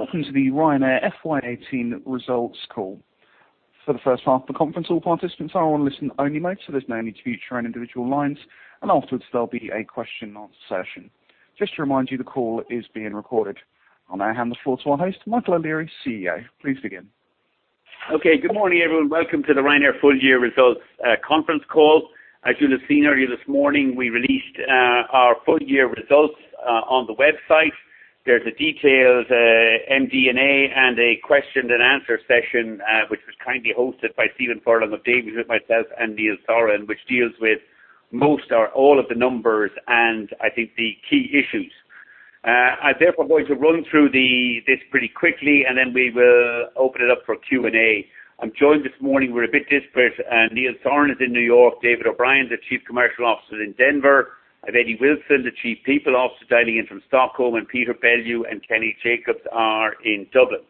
Welcome to the Ryanair FY 2018 results call. For the first half of the conference, all participants are on listen-only mode. There's no need to mute your own individual lines. Afterwards, there'll be a question and answer session. Just to remind you, the call is being recorded. I'll now hand the floor to our host, Michael O'Leary, CEO. Please begin. Okay. Good morning, everyone. Welcome to the Ryanair full-year results conference call. As you'll have seen earlier this morning, we released our full-year results on the website. There's the details, MD&A, and a question and answer session, which was kindly hosted by Stephen Furlong of Davy with myself and Neil Sorahan, which deals with most or all of the numbers, and I think the key issues. I'm therefore going to run through this pretty quickly, and then we will open it up for Q&A. I'm joined this morning. We're a bit disparate. Neil Sorahan is in New York, David O'Brien, the Chief Commercial Officer, is in Denver. I have Eddie Wilson, the Chief People Officer, dialing in from Stockholm, and Peter Bellew and Kenny Jacobs are in Dublin.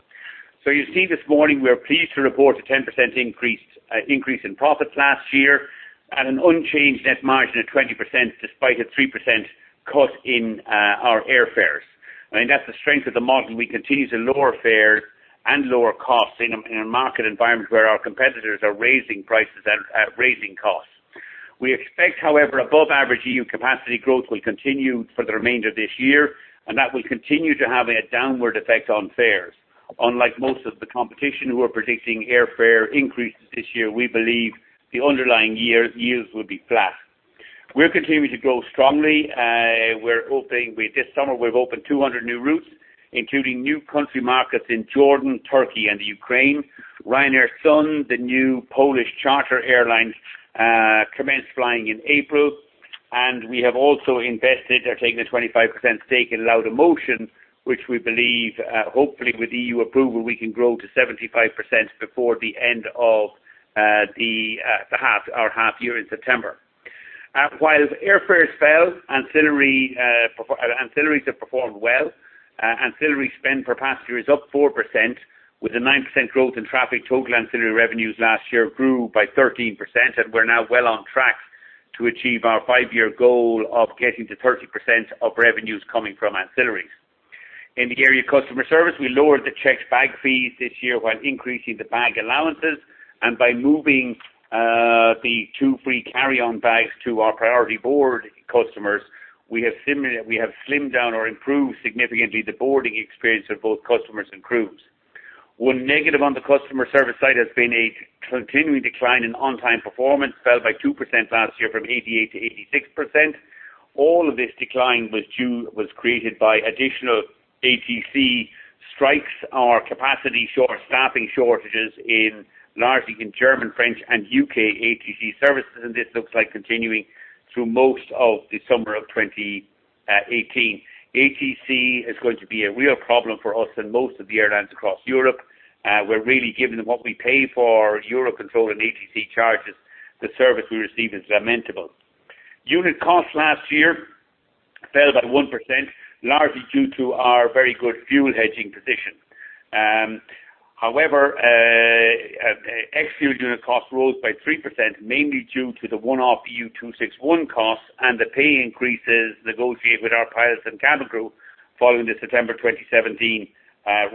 You see this morning, we are pleased to report a 10% increase in profits last year and an unchanged net margin of 20%, despite a 3% cut in our airfares. I mean, that's the strength of the model, and we continue to lower fares and lower costs in a market environment where our competitors are raising prices and raising costs. We expect, however, above-average EU capacity growth will continue for the remainder of this year, and that will continue to have a downward effect on fares. Unlike most of the competition who are predicting airfare increases this year, we believe the underlying years will be flat. We're continuing to grow strongly. This summer, we've opened 200 new routes, including new country markets in Jordan, Turkey, and Ukraine. Ryanair Sun, the new Polish charter airline, commenced flying in April, and we have also invested or taken a 25% stake in Laudamotion, which we believe, hopefully with EU approval, we can grow to 75% before the end of our half-year in September. While airfares fell, ancillaries have performed well. Ancillary spend per passenger is up 4%, with a 9% growth in traffic. Total ancillary revenues last year grew by 13%, and we're now well on track to achieve our five-year goal of getting to 30% of revenues coming from ancillaries. In the area of customer service, we lowered the checked bag fees this year while increasing the bag allowances. By moving the two free carry-on bags to our priority board customers, we have slimmed down or improved significantly the boarding experience of both customers and crews. One negative on the customer service side has been a continuing decline in on-time performance, fell by 2% last year from 88% to 86%. All of this decline was created by additional ATC strikes or capacity short staffing shortages largely in German, French, and U.K. ATC services, and this looks like continuing through most of the summer of 2018. ATC is going to be a real problem for us and most of the airlines across Europe. We're really giving them what we pay for Eurocontrol and ATC charges. The service we receive is lamentable. Unit costs last year fell by 1%, largely due to our very good fuel hedging position. However, ex-fuel unit costs rose by 3%, mainly due to the one-off EU261 costs and the pay increases negotiated with our pilots and cabin crew following the September 2017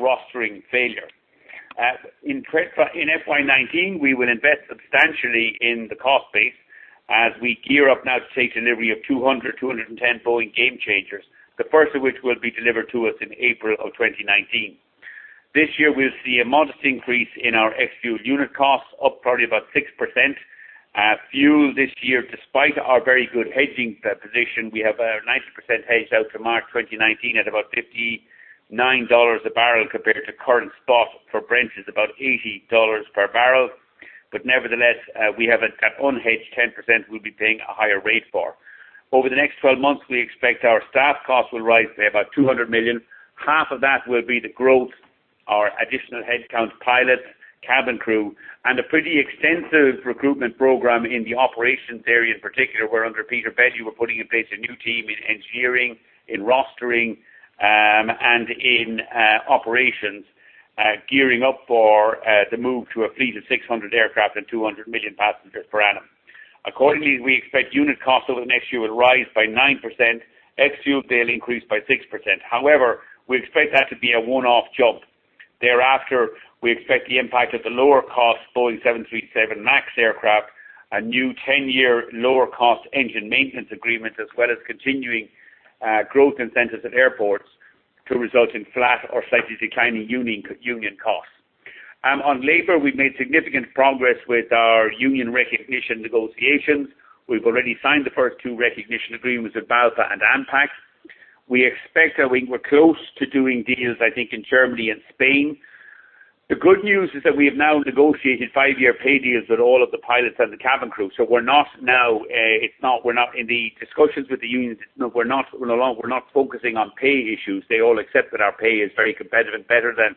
rostering failure. In FY 2019, we will invest substantially in the cost base as we gear up now to take delivery of 200, 210 Boeing Gamechanger, the first of which will be delivered to us in April 2019. This year, we'll see a modest increase in our ex-fuel unit costs up probably about 6%. Fuel this year, despite our very good hedging position, we have a 90% hedge out to March 2019 at about $59 a barrel compared to current spot for Brent is about $80 per barrel. Nevertheless, we have an unhedged 10% we'll be paying a higher rate for. Over the next 12 months, we expect our staff costs will rise by about 200 million. Half of that will be the growth, our additional headcount, pilots, cabin crew, and a pretty extensive recruitment program in the operations area in particular, where under Peter Bellew, we're putting in place a new team in engineering, in rostering, and in operations, gearing up for the move to a fleet of 600 aircraft and 200 million passengers per annum. Accordingly, we expect unit costs over the next year will rise by 9%, ex-fuel daily increase by 6%. However, we expect that to be a one-off jump. Thereafter, we expect the impact of the lower-cost Boeing 737 MAX aircraft, a new 10-year lower-cost engine maintenance agreement, as well as continuing growth incentives at airports to result in flat or slightly declining union costs. On labor, we've made significant progress with our union recognition negotiations. We've already signed the first two recognition agreements with BALPA and ANPAC. We expect that we're close to doing deals, I think, in Germany and Spain. The good news is that we have now negotiated five-year pay deals with all of the pilots and the cabin crew. We're not in the discussions with the unions. We're no longer focusing on pay issues. They all accept that our pay is very competitive, better than,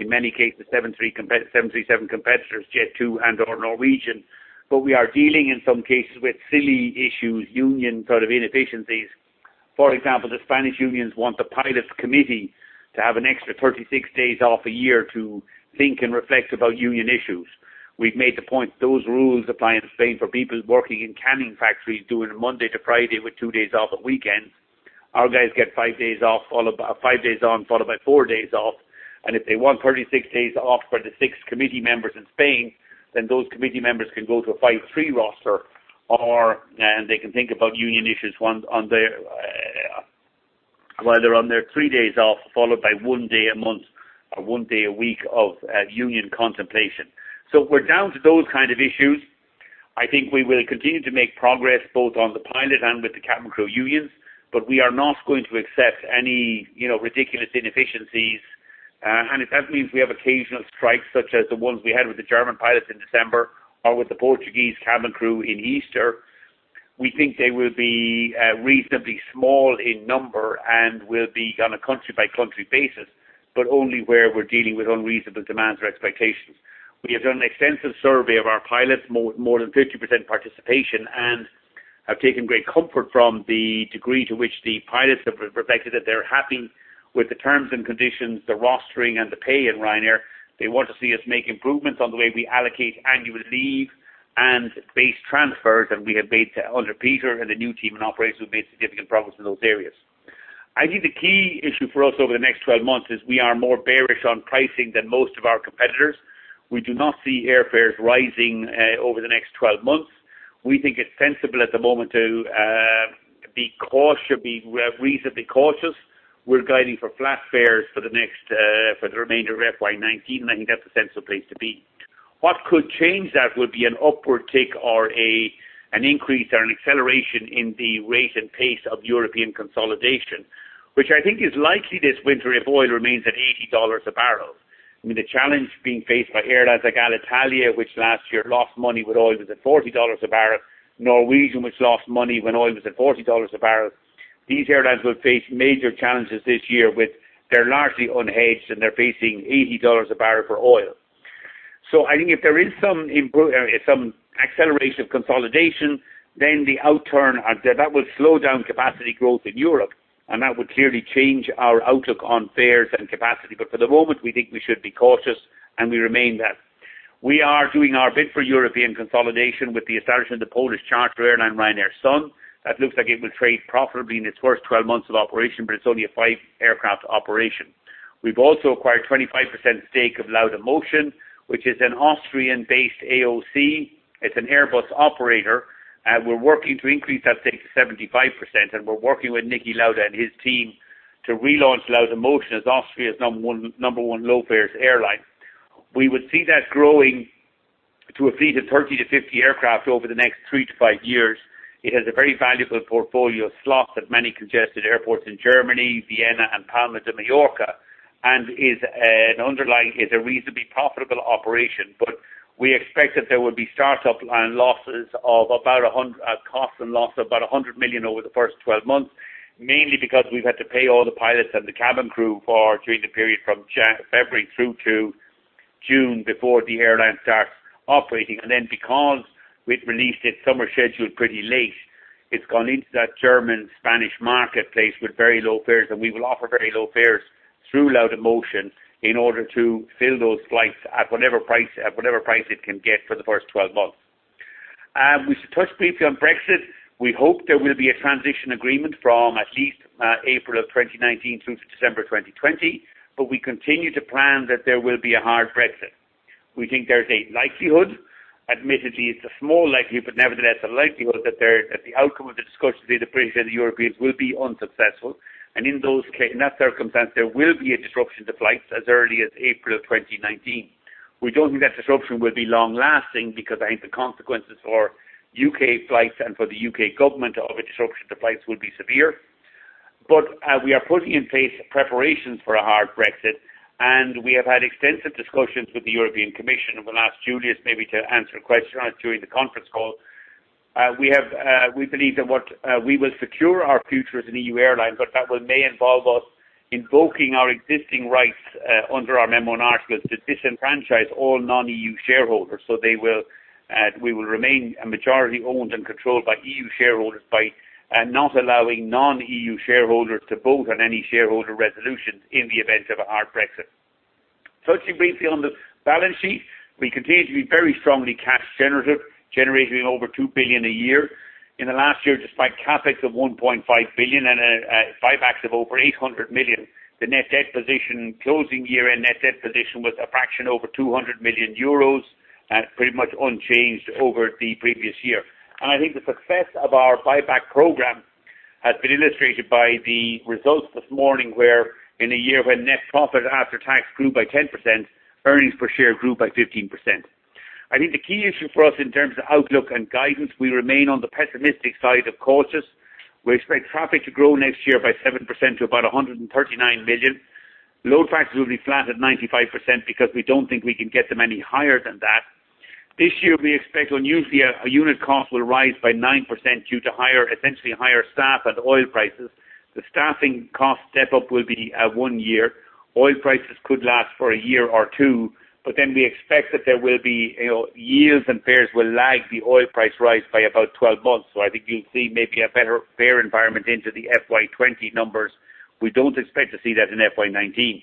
in many cases, 737 competitors, Jet2 and/or Norwegian. We are dealing in some cases with silly issues, union sort of inefficiencies. For example, the Spanish unions want the pilot's committee to have an extra 36 days off a year to think and reflect about union issues. We've made the point those rules apply in Spain for people working in canning factories doing a Monday to Friday with two days off at weekends. Our guys get five days on, followed by four days off. If they want 36 days off for the six committee members in Spain, those committee members can go to a 5-3 roster, or they can think about union issues while they're on their three days off, followed by one day a month or one day a week of union contemplation. We're down to those kind of issues. I think we will continue to make progress both on the pilot and with the cabin crew unions, but we are not going to accept any ridiculous inefficiencies. If that means we have occasional strikes such as the ones we had with the German pilots in December or with the Portuguese cabin crew in Easter, we think they will be reasonably small in number and will be on a country-by-country basis, but only where we're dealing with unreasonable demands or expectations. We have done an extensive survey of our pilots, more than 50% participation, and have taken great comfort from the degree to which the pilots have reflected that they're happy with the terms and conditions, the rostering, and the pay at Ryanair. They want to see us make improvements on the way we allocate annual leave and base transfers, and under Peter and the new team in operations, we've made significant progress in those areas. I think the key issue for us over the next 12 months is we are more bearish on pricing than most of our competitors. We do not see airfares rising over the next 12 months. We think it's sensible at the moment to be reasonably cautious. We're guiding for flat fares for the remainder of FY 2019, and I think that's a sensible place to be. What could change that would be an upward tick or an increase or an acceleration in the rate and pace of European consolidation, which I think is likely this winter if oil remains at $80 a barrel. I mean, the challenge being faced by airlines like Alitalia, which last year lost money when oil was at $40 a barrel, Norwegian, which lost money when oil was at $40 a barrel. These airlines will face major challenges this year with their largely unhedged. They're facing $80 a barrel for oil. I think if there is some acceleration of consolidation, that will slow down capacity growth in Europe, and that would clearly change our outlook on fares and capacity. But for the moment, we think we should be cautious, and we remain that. We are doing our bit for European consolidation with the establishment of the Polish chartered airline, Ryanair Sun. That looks like it will trade profitably in its first 12 months of operation, but it's only a five-aircraft operation. We've also acquired 25% stake of Laudamotion, which is an Austrian-based AOC. It's an Airbus operator, and we're working to increase that stake to 75%, and we're working with Niki Lauda and his team to relaunch Laudamotion as Austria's number one low-fares airline. We would see that growing to a fleet of 30 to 50 aircraft over the next three to five years. It has a very valuable portfolio of slots at many congested airports in Germany, Vienna, and Palma de Mallorca, and underlying is a reasonably profitable operation. We expect that there will be costs and loss of about 100 million over the first 12 months, mainly because we've had to pay all the pilots and the cabin crew for during the period from February through to June before the airline starts operating. Because we'd released its summer schedule pretty late, it's gone into that German-Spanish marketplace with very low fares, and we will offer very low fares through Laudamotion in order to fill those flights at whatever price it can get for the first 12 months. We should touch briefly on Brexit. We hope there will be a transition agreement from at least April 2019 through to December 2020, but we continue to plan that there will be a hard Brexit. We think there is a likelihood. Admittedly, it's a small likelihood, but nevertheless, a likelihood that the outcome of the discussions between the British and the Europeans will be unsuccessful. In that circumstance, there will be a disruption to flights as early as April 2019. We don't think that disruption will be long-lasting because I think the consequences for U.K. flights and for the U.K. government of a disruption to flights would be severe. But we are putting in place preparations for a hard Brexit, and we have had extensive discussions with the European Commission. We'll ask Juliusz maybe to answer a question on it during the conference call. We believe that we will secure our future as an EU airline, but that may involve us invoking our existing rights under our memorandum to disenfranchise all non-EU shareholders. So we will remain majority-owned and controlled by EU shareholders by not allowing non-EU shareholders to vote on any shareholder resolutions in the event of a hard Brexit. Touching briefly on the balance sheet. We continue to be very strongly cash generative, generating over 2 billion a year. In the last year, despite CapEx of 1.5 billion and a buyback of over 800 million, the net debt position, closing year-end net debt position was a fraction over 200 million euros, pretty much unchanged over the previous year. I think the success of our buyback program has been illustrated by the results this morning, where in a year when net profit after tax grew by 10%, earnings per share grew by 15%. I think the key issue for us in terms of outlook and guidance, we remain on the pessimistic side of cautious. We expect traffic to grow next year by 7% to about 139 million. Load factors will be flat at 95% because we don't think we can get them any higher than that. This year, we expect on unit cost will rise by 9% due to essentially higher staff and oil prices. The staffing cost step-up will be one year. Oil prices could last for a year or two, but then we expect that yields and fares will lag the oil price rise by about 12 months. So I think you'll see maybe a better fare environment into the FY 2020 numbers. We don't expect to see that in FY 2019.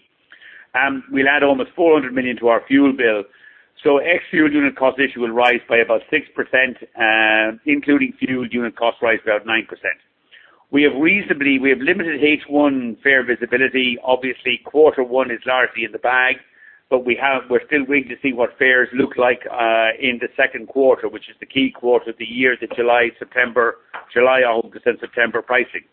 We'll add almost 400 million to our fuel bill. Ex fuel unit cost issue will rise by about 6%, including fuel unit cost rise, about 9%. We have limited H1 fare visibility. Obviously, quarter one is largely in the bag. We're still waiting to see what fares look like in the second quarter, which is the key quarter of the year, the July, August, and September pricing.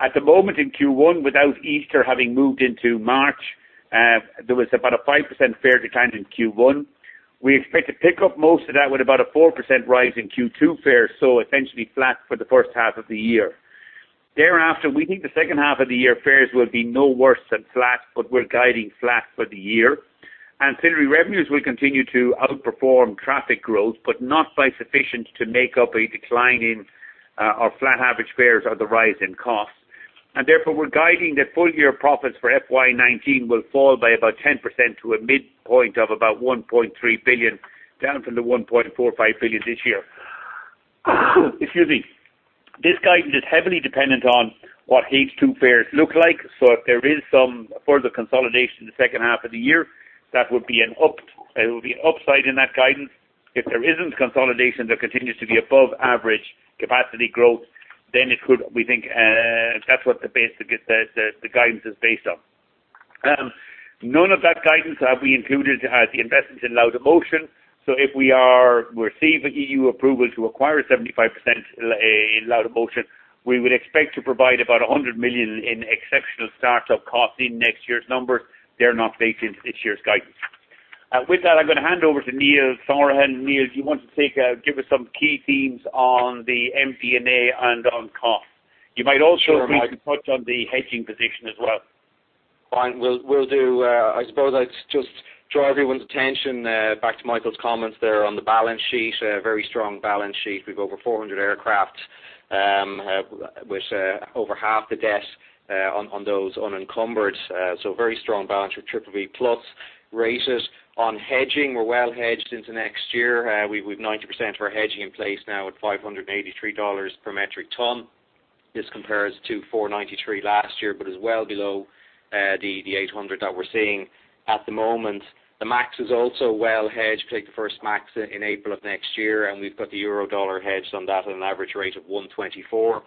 At the moment in Q1, without Easter having moved into March, there was about a 5% fare decline in Q1. We expect to pick up most of that with about a 4% rise in Q2 fares, so essentially flat for the first half of the year. Thereafter, we think the second half of the year fares will be no worse than flat, but we're guiding flat for the year. Ancillary revenues will continue to outperform traffic growth, not by sufficient to make up a decline in our flat average fares or the rise in costs. Therefore, we're guiding that full year profits for FY 2019 will fall by about 10% to a midpoint of about 1.3 billion, down from the 1.45 billion this year. Excuse me. This guidance is heavily dependent on what H2 fares look like. If there is some further consolidation in the second half of the year, that would be an upside in that guidance. If there isn't consolidation, there continues to be above-average capacity growth, it could, we think, that's what the base the guidance is based on. None of that guidance have we included the investments in Laudamotion. If we receive an EU approval to acquire 75% in Laudamotion, we would expect to provide about 100 million in exceptional start-up costs in next year's numbers. They're not baked into this year's guidance. With that, I'm going to hand over to Neil Sorahan. Neil, do you want to give us some key themes on the MD&A and on cost? Sure, Michael. You might also briefly touch on the hedging position as well. Fine. Will do. I suppose I'd just draw everyone's attention back to Michael's comments there on the balance sheet, a very strong balance sheet. We've over 400 aircraft, with over half the debt on those unencumbered. Very strong balance with BBB+ ratings. On hedging, we're well hedged into next year. We've 90% of our hedging in place now at $583 per metric ton. This compares to $493 last year, but is well below the $800 that we're seeing at the moment. The MAX is also well hedged. We take the first MAX in April of next year, and we've got the euro dollar hedged on that at an average rate of 124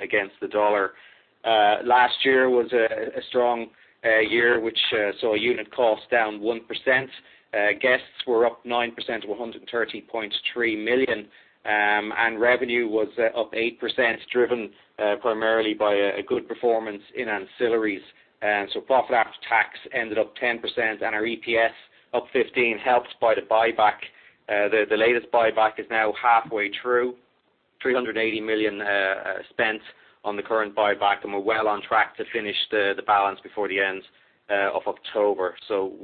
against the USD. Last year was a strong year which saw unit cost down 1%. Guests were up 9% to 130.3 million. Revenue was up 8%, driven primarily by a good performance in ancillaries. Profit after tax ended up 10%, and our EPS up 15%, helped by the buyback. The latest buyback is now halfway through. 380 million spent on the current buyback, we're well on track to finish the balance before the end of October.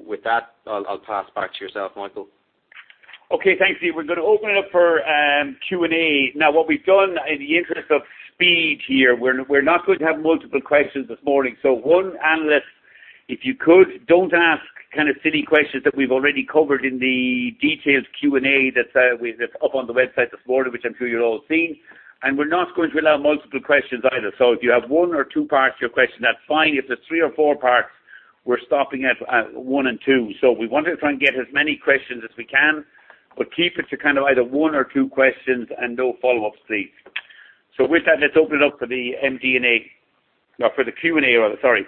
With that, I'll pass back to yourself, Michael. Okay, thanks, Neil. We're going to open it up for Q&A. What we've done in the interest of speed here, we're not going to have multiple questions this morning. One analyst. If you could, don't ask kind of silly questions that we've already covered in the detailed Q&A that's up on the website this morning, which I'm sure you've all seen. We're not going to allow multiple questions either. If you have one or two parts to your question, that's fine. If it's three or four parts, we're stopping at one and two. We want to try and get as many questions as we can, but keep it to either one or two questions and no follow-ups, please. With that, let's open it up for the MD&A. No, for the Q&A rather. Sorry.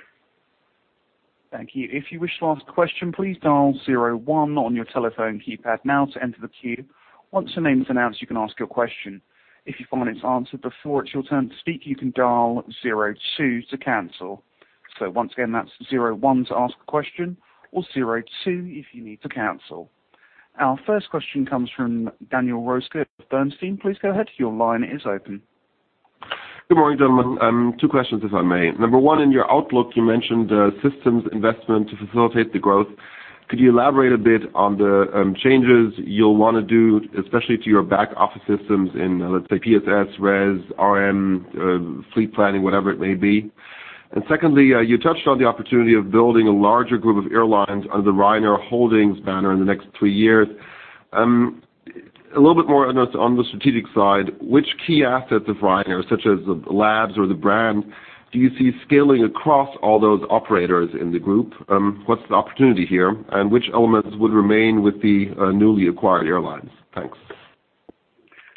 Thank you. If you wish to ask a question, please dial zero one on your telephone keypad now to enter the queue. Once your name is announced, you can ask your question. If you find it's answered before it's your turn to speak, you can dial zero two to cancel. Once again, that's zero one to ask a question or zero two if you need to cancel. Our first question comes from Daniel Roeska at Bernstein. Please go ahead. Your line is open. Good morning, gentlemen. Two questions, if I may. Number one, in your outlook, you mentioned systems investment to facilitate the growth. Could you elaborate a bit on the changes you'll want to do, especially to your back-office systems in, let's say, PSS, RES, RM, fleet planning, whatever it may be? Secondly, you touched on the opportunity of building a larger group of airlines under the Ryanair Holdings banner in the next three years. A little bit more on the strategic side, which key assets of Ryanair, such as the Labs or the brand, do you see scaling across all those operators in the group? What's the opportunity here? Which elements would remain with the newly acquired airlines? Thanks.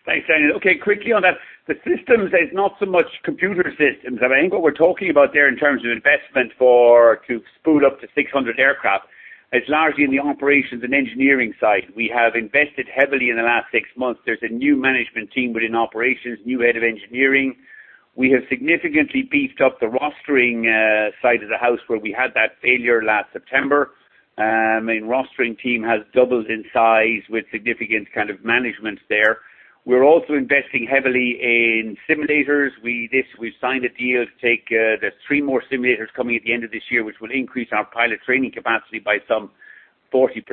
Thanks, Daniel. Okay, quickly on that. The systems, it's not so much computer systems. I think what we're talking about there in terms of investment for to spool up to 600 aircraft is largely in the operations and engineering side. We have invested heavily in the last six months. There's a new management team within operations, new head of engineering. We have significantly beefed up the rostering side of the house where we had that failure last September. Main rostering team has doubled in size with significant kind of management there. We're also investing heavily in simulators. We've signed a deal to take the three more simulators coming at the end of this year, which will increase our pilot training capacity by some 40%.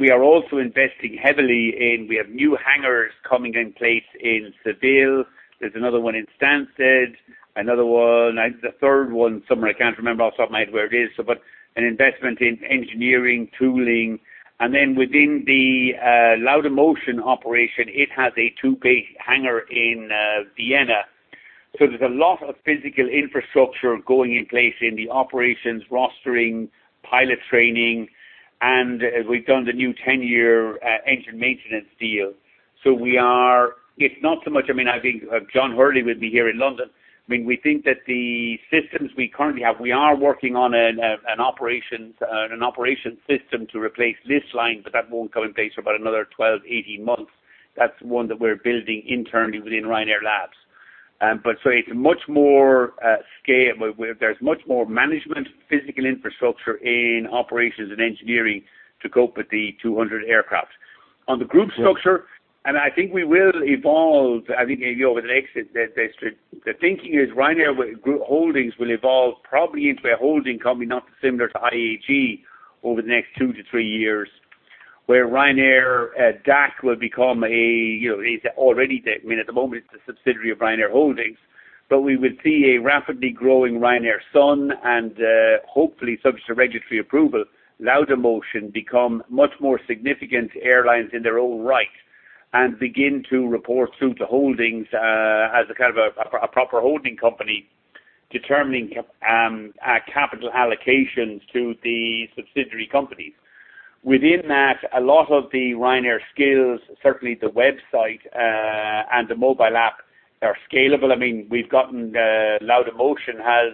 We are also investing heavily in, we have new hangars coming in place in Seville. There's another one in Stansted, another one, I think the third one, somewhere I can't remember off the top of my head where it is. An investment in engineering, tooling. Then within the Laudamotion operation, it has a two-bay hangar in Vienna. There's a lot of physical infrastructure going in place in the operations, rostering, pilot training, and as we've done the new 10-year engine maintenance deal. It's not so much, I think John Hurley with me here in London. We think that the systems we currently have, we are working on an operations system to replace this line, but that won't come in place for about another 12, 18 months. That's one that we're building internally within Ryanair Labs. It's much more management, physical infrastructure in operations and engineering to cope with the 200 aircraft. On the group structure, I think we will evolve. I think maybe over the next The thinking is Ryanair Holdings will evolve probably into a holding company not dissimilar to IAG over the next two to three years, where Ryanair DAC will become It's already that. At the moment, it's a subsidiary of Ryanair Holdings. We will see a rapidly growing Ryanair Sun and, hopefully, subject to regulatory approval, Laudamotion become much more significant airlines in their own right and begin to report through to holdings as a proper holding company, determining capital allocations to the subsidiary companies. Within that, a lot of the Ryanair skills, certainly the website and the mobile app are scalable. Laudamotion has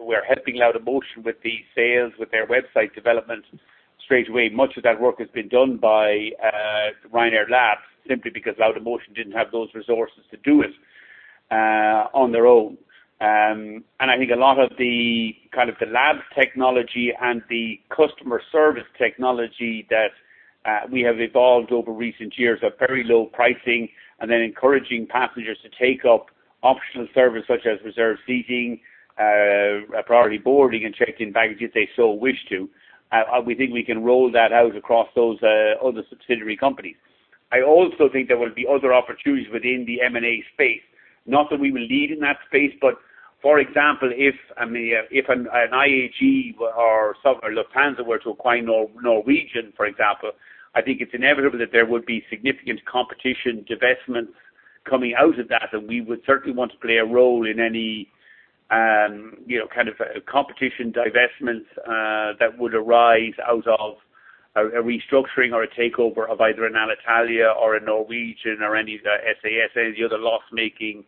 We're helping Laudamotion with the sales, with their website development straight away. Much of that work has been done by Ryanair Labs simply because Laudamotion didn't have those resources to do it on their own. I think a lot of the labs technology and the customer service technology that we have evolved over recent years of very low pricing and then encouraging passengers to take up optional service such as reserved seating, priority boarding, and checked-in baggage if they so wish to, we think we can roll that out across those other subsidiary companies. I also think there will be other opportunities within the M&A space. Not that we will lead in that space, for example, if an IAG or Lufthansa were to acquire Norwegian, for example, I think it's inevitable that there would be significant competition divestments coming out of that, we would certainly want to play a role in any kind of competition divestments that would arise out of a restructuring or a takeover of either an Alitalia or a Norwegian or any of the SAS and the other loss-making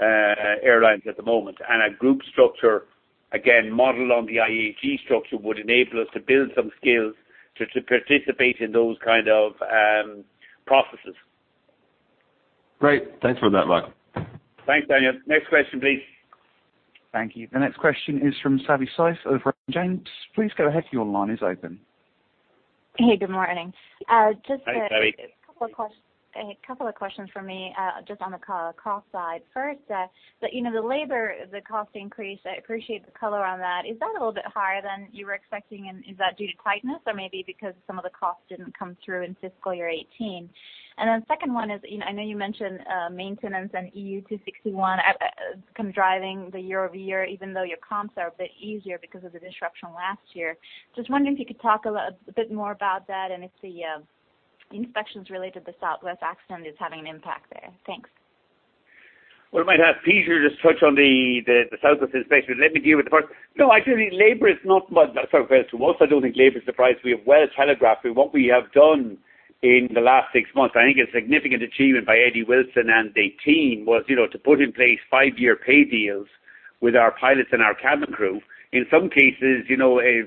airlines at the moment. A group structure, again, modeled on the IAG structure, would enable us to build some skills to participate in those kind of processes. Great. Thanks for that, Michael. Thanks, Daniel. Next question, please. Thank you. The next question is from Savi Syth of Raymond James. Please go ahead. Your line is open. Hey, good morning. Hey, Savi. A couple of questions from me, just on the cost side. First, the labor, the cost increase, I appreciate the color on that. Is that a little bit higher than you were expecting, and is that due to tightness or maybe because some of the costs didn't come through in FY 2018? The second one is, I know you mentioned maintenance and EU261, kind of driving the year-over-year, even though your comps are a bit easier because of the disruption last year. Just wondering if you could talk a bit more about that and if the inspections related to the Southwest accident is having an impact there. Thanks. Well, I might have Peter just touch on the Southwest inspection. Let me deal with the first. No, actually, labor is not, first of all, I don't think labor is the price we have well telegraphed. What we have done in the last 6 months, I think a significant achievement by Eddie Wilson and the team was to put in place 5-year pay deals with our pilots and our cabin crew. In some cases,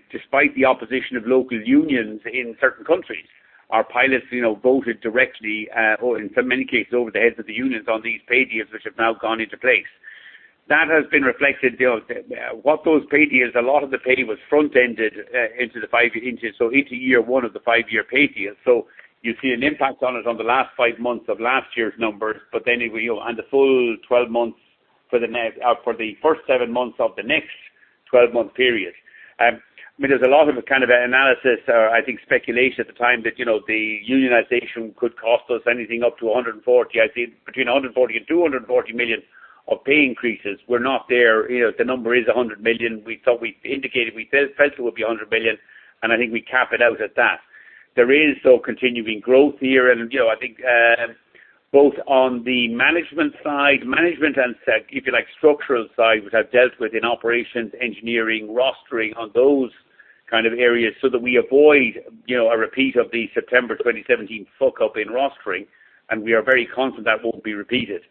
despite the opposition of local unions in certain countries. Our pilots voted directly, or in many cases, over the heads of the unions on these pay deals, which have now gone into place. That has been reflected. What those pay deals, a lot of the pay was front-ended into year one of the 5-year pay deal. So you see an impact on it on the last 5 months of last year's numbers, and the full 12 months for the next, for the first 7 months of the next 12-month period. There's a lot of kind of analysis, I think speculation at the time that the unionization could cost us anything up to 140 million. I'd say between 140 million and 240 million of pay increases were not there. The number is 100 million. We indicated, we said it would be 100 million, and I think we cap it out at that. There is still continuing growth here, and I think both on the management side, management and structural side, which I've dealt with in operations, engineering, rostering on those kind of areas so that we avoid a repeat of the September 2017 fuckup in rostering, and we are very confident that won't be repeated.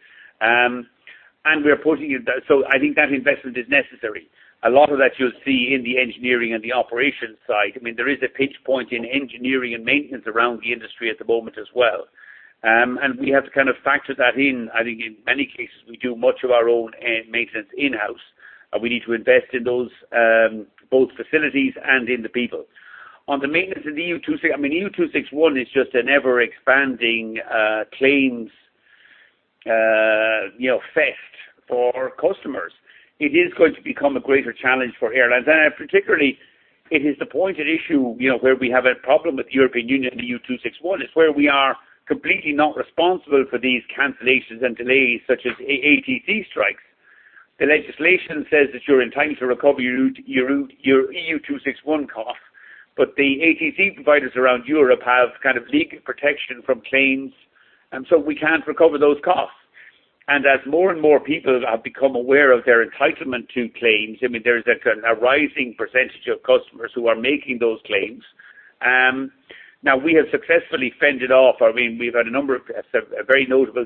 So I think that investment is necessary. A lot of that you'll see in the engineering and the operations side. There is a pinch point in engineering and maintenance around the industry at the moment as well. We have to kind of factor that in. I think in many cases, we do much of our own maintenance in-house. We need to invest in those both facilities and in the people. On the maintenance of the EU261 is just an ever-expanding claims fest for customers. It is going to become a greater challenge for airlines. Particularly, it is the pointed issue where we have a problem with the European Union, the EU261, is where we are completely not responsible for these cancellations and delays, such as ATC strikes. The legislation says that you're entitled to recover your EU261 cost. The ATC providers around Europe have kind of legal protection from claims, we can't recover those costs. As more and more people have become aware of their entitlement to claims, there's a rising percentage of customers who are making those claims. We have successfully fended off. We've had a number of very notable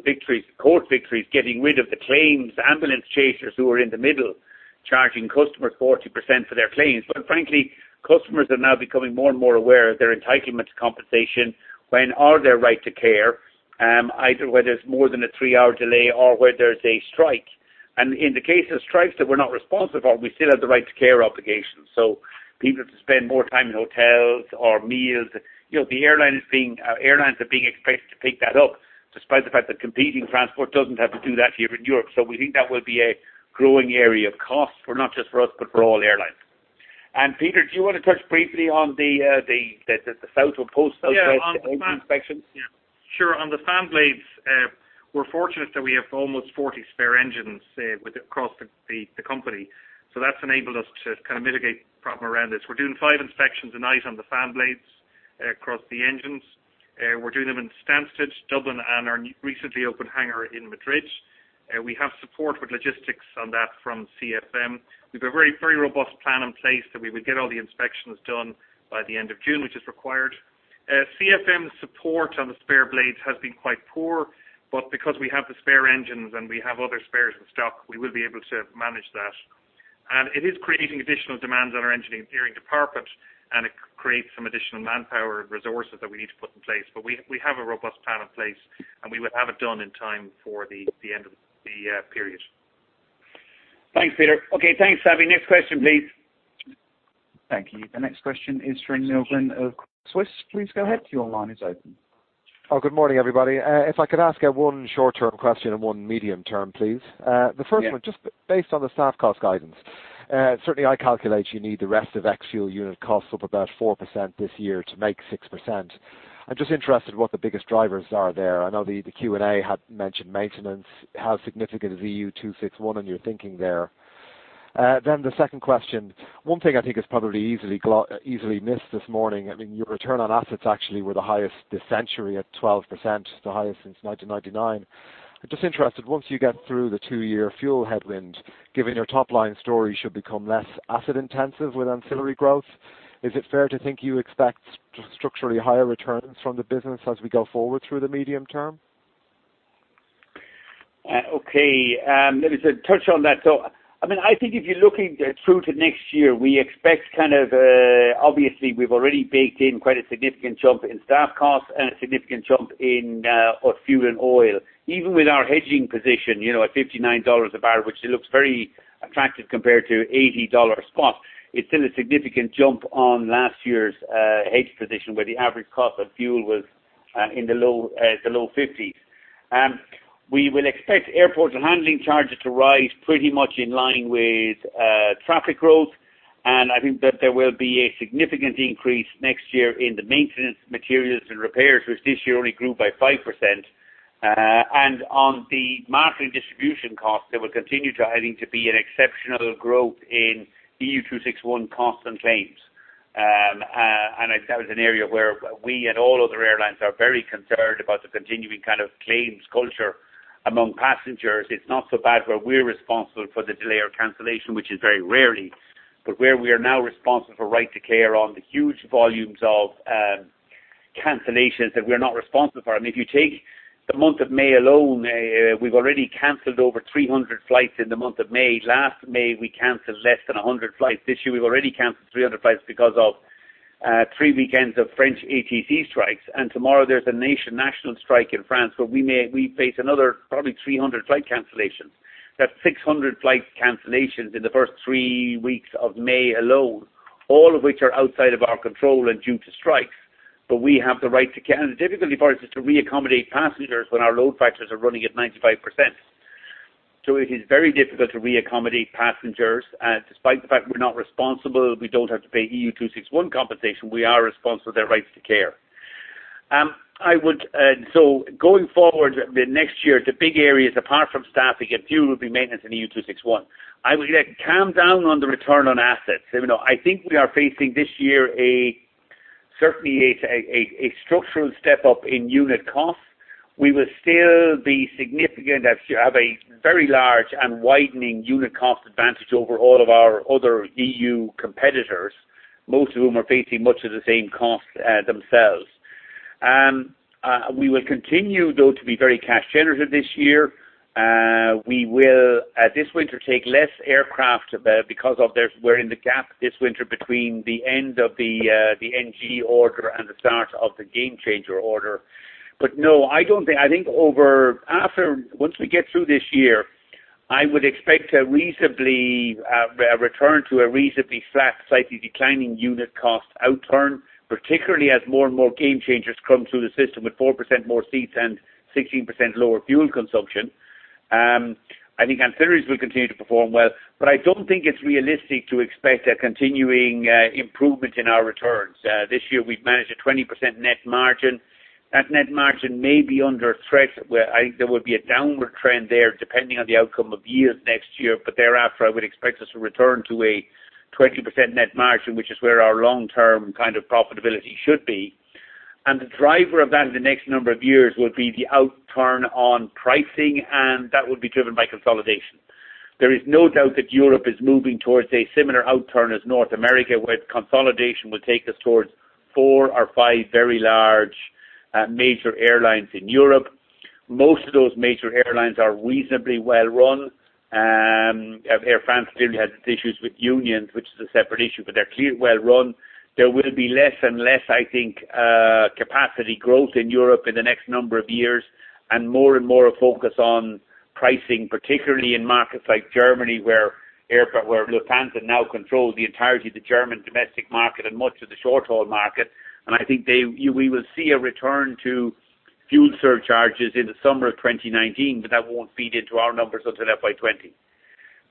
court victories getting rid of the claims ambulance chasers who are in the middle, charging customers 40% for their claims. Frankly, customers are now becoming more and more aware of their entitlement to compensation when or their right to care, either where there's more than a three-hour delay or where there's a strike. In the case of strikes that we're not responsible for, we still have the right to care obligations. People have to spend more time in hotels or meals. Airlines are being expected to pick that up, despite the fact that competing transport doesn't have to do that here in Europe. We think that will be a growing area of cost, not just for us, but for all airlines. Peter, do you want to touch briefly on the Southwest post engine inspections? Sure. On the fan blades, we're fortunate that we have almost 40 spare engines across the company. That's enabled us to kind of mitigate the problem around this. We're doing five inspections a night on the fan blades across the engines. We're doing them in Stansted, Dublin, and our recently opened hangar in Madrid. We have support with logistics on that from CFM. We have a very robust plan in place that we would get all the inspections done by the end of June, which is required. CFM support on the spare blades has been quite poor, but because we have the spare engines and we have other spares in stock, we will be able to manage that. It is creating additional demands on our engineering department, it creates some additional manpower resources that we need to put in place. We have a robust plan in place, we will have it done in time for the end of the period. Thanks, Peter. Okay, thanks, Savi. Next question, please. Thank you. The next question is from Milgram of UBS. Please go ahead. Your line is open. Good morning, everybody. If I could ask one short-term question and one medium-term, please. Yeah. The first one, just based on the staff cost guidance. Certainly, I calculate you need the rest of ex-fuel unit costs of about 4% this year to make 6%. I'm just interested what the biggest drivers are there. I know the Q&A had mentioned maintenance. How significant is EU261 in your thinking there? The second question. One thing I think is probably easily missed this morning, your return on assets actually were the highest this century at 12%, the highest since 1999. I'm just interested, once you get through the two-year fuel headwind, given your top-line story should become less asset intensive with ancillary growth, is it fair to think you expect structurally higher returns from the business as we go forward through the medium-term? Okay. Let me touch on that. I think if you're looking through to next year, obviously we've already baked in quite a significant jump in staff costs and a significant jump in fuel and oil. Even with our hedging position, at $59 a barrel, which it looks very attractive compared to $80 a spot, it's still a significant jump on last year's hedge position where the average cost of fuel was in the low 50s. We will expect airport and handling charges to rise pretty much in line with traffic growth, and I think that there will be a significant increase next year in the maintenance materials and repairs, which this year only grew by 5%. On the marketing distribution cost, there will continue to be an exceptional growth in EU261 costs and claims. That was an area where we and all other airlines are very concerned about the continuing claims culture among passengers. It's not so bad where we're responsible for the delay or cancellation, which is very rarely. Where we are now responsible for right to care on the huge volumes of cancellations that we're not responsible for. If you take the month of May alone, we've already canceled over 300 flights in the month of May. Last May, we canceled less than 100 flights. This year, we've already canceled 300 flights because of three weekends of French ATC strikes. Tomorrow there's a national strike in France, where we face another probably 300 flight cancellations. That's 600 flight cancellations in the first three weeks of May alone, all of which are outside of our control and due to strikes. The difficulty for us is to re-accommodate passengers when our load factors are running at 95%. It is very difficult to re-accommodate passengers. Despite the fact we're not responsible, we don't have to pay EU261 compensation, we are responsible for their right to care. Going forward, the next year, the big areas, apart from staffing and fuel, will be maintenance and EU261. I would calm down on the return on assets. I think we are facing this year certainly a structural step-up in unit cost. We will still have a very large and widening unit cost advantage over all of our other EU competitors, most of whom are facing much of the same cost themselves. We will continue, though, to be very cash generative this year. We will, this winter, take less aircraft because we're in the gap this winter between the end of the 737NG order and the start of the Gamechanger order. Once we get through this year, I would expect a return to a reasonably flat, slightly declining unit cost outturn, particularly as more and more Gamechangers come through the system with 4% more seats and 16% lower fuel consumption. I think ancillaries will continue to perform well, I don't think it's realistic to expect a continuing improvement in our returns. This year we've managed a 20% net margin. That net margin may be under threat. I think there will be a downward trend there depending on the outcome of yields next year. Thereafter, I would expect us to return to a 20% net margin, which is where our long-term kind of profitability should be. The driver of that in the next number of years will be the outturn on pricing, and that will be driven by consolidation. There is no doubt that Europe is moving towards a similar outturn as North America, where consolidation will take us towards four or five very large major airlines in Europe. Most of those major airlines are reasonably well-run. Air France clearly has its issues with unions, which is a separate issue, but they are clearly well-run. There will be less and less, I think, capacity growth in Europe in the next number of years, and more and more a focus on pricing, particularly in markets like Germany, where Lufthansa now controls the entirety of the German domestic market and much of the short-haul market. I think we will see a return to fuel surcharges in the summer of 2019, but that won't feed into our numbers until FY 2020.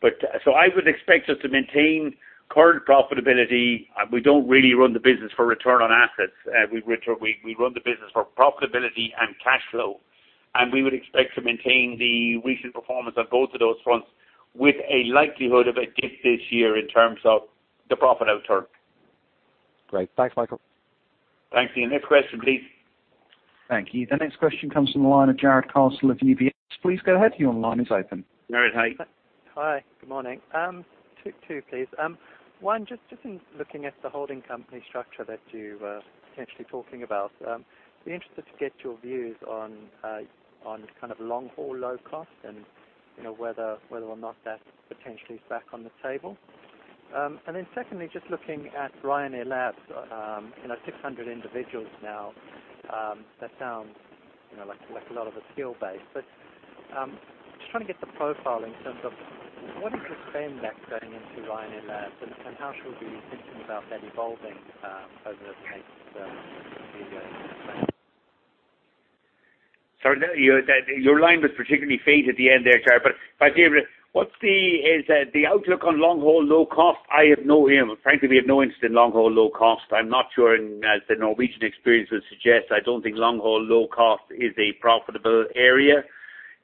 I would expect us to maintain current profitability. We don't really run the business for return on assets. We run the business for profitability and cash flow. We would expect to maintain the recent performance on both of those fronts with a likelihood of a dip this year in terms of the profit outturn. Great. Thanks, Michael. Thanks, Andrew. Next question, please. Thank you. The next question comes from the line of Jarrod Castle of UBS. Please go ahead. Your line is open. Jarrod, hi. Hi, good morning. Two, please. one, just in looking at the holding company structure that you were potentially talking about. I'd be interested to get your views on kind of long-haul, low-cost and whether or not that potentially is back on the table. Secondly, just looking at Ryanair Labs, 600 individuals now. That sounds like a lot of a skill base. Just trying to get the profile in terms of what is the spend that's going into Ryanair Labs, and how should we be thinking about that evolving over the case Sorry, your line was particularly faint at the end there, Jarrod. Is the outlook on long-haul, low-cost? I have no idea. Frankly, we have no interest in long-haul, low-cost. I'm not sure, and as the Norwegian experience would suggest, I don't think long-haul, low-cost is a profitable area.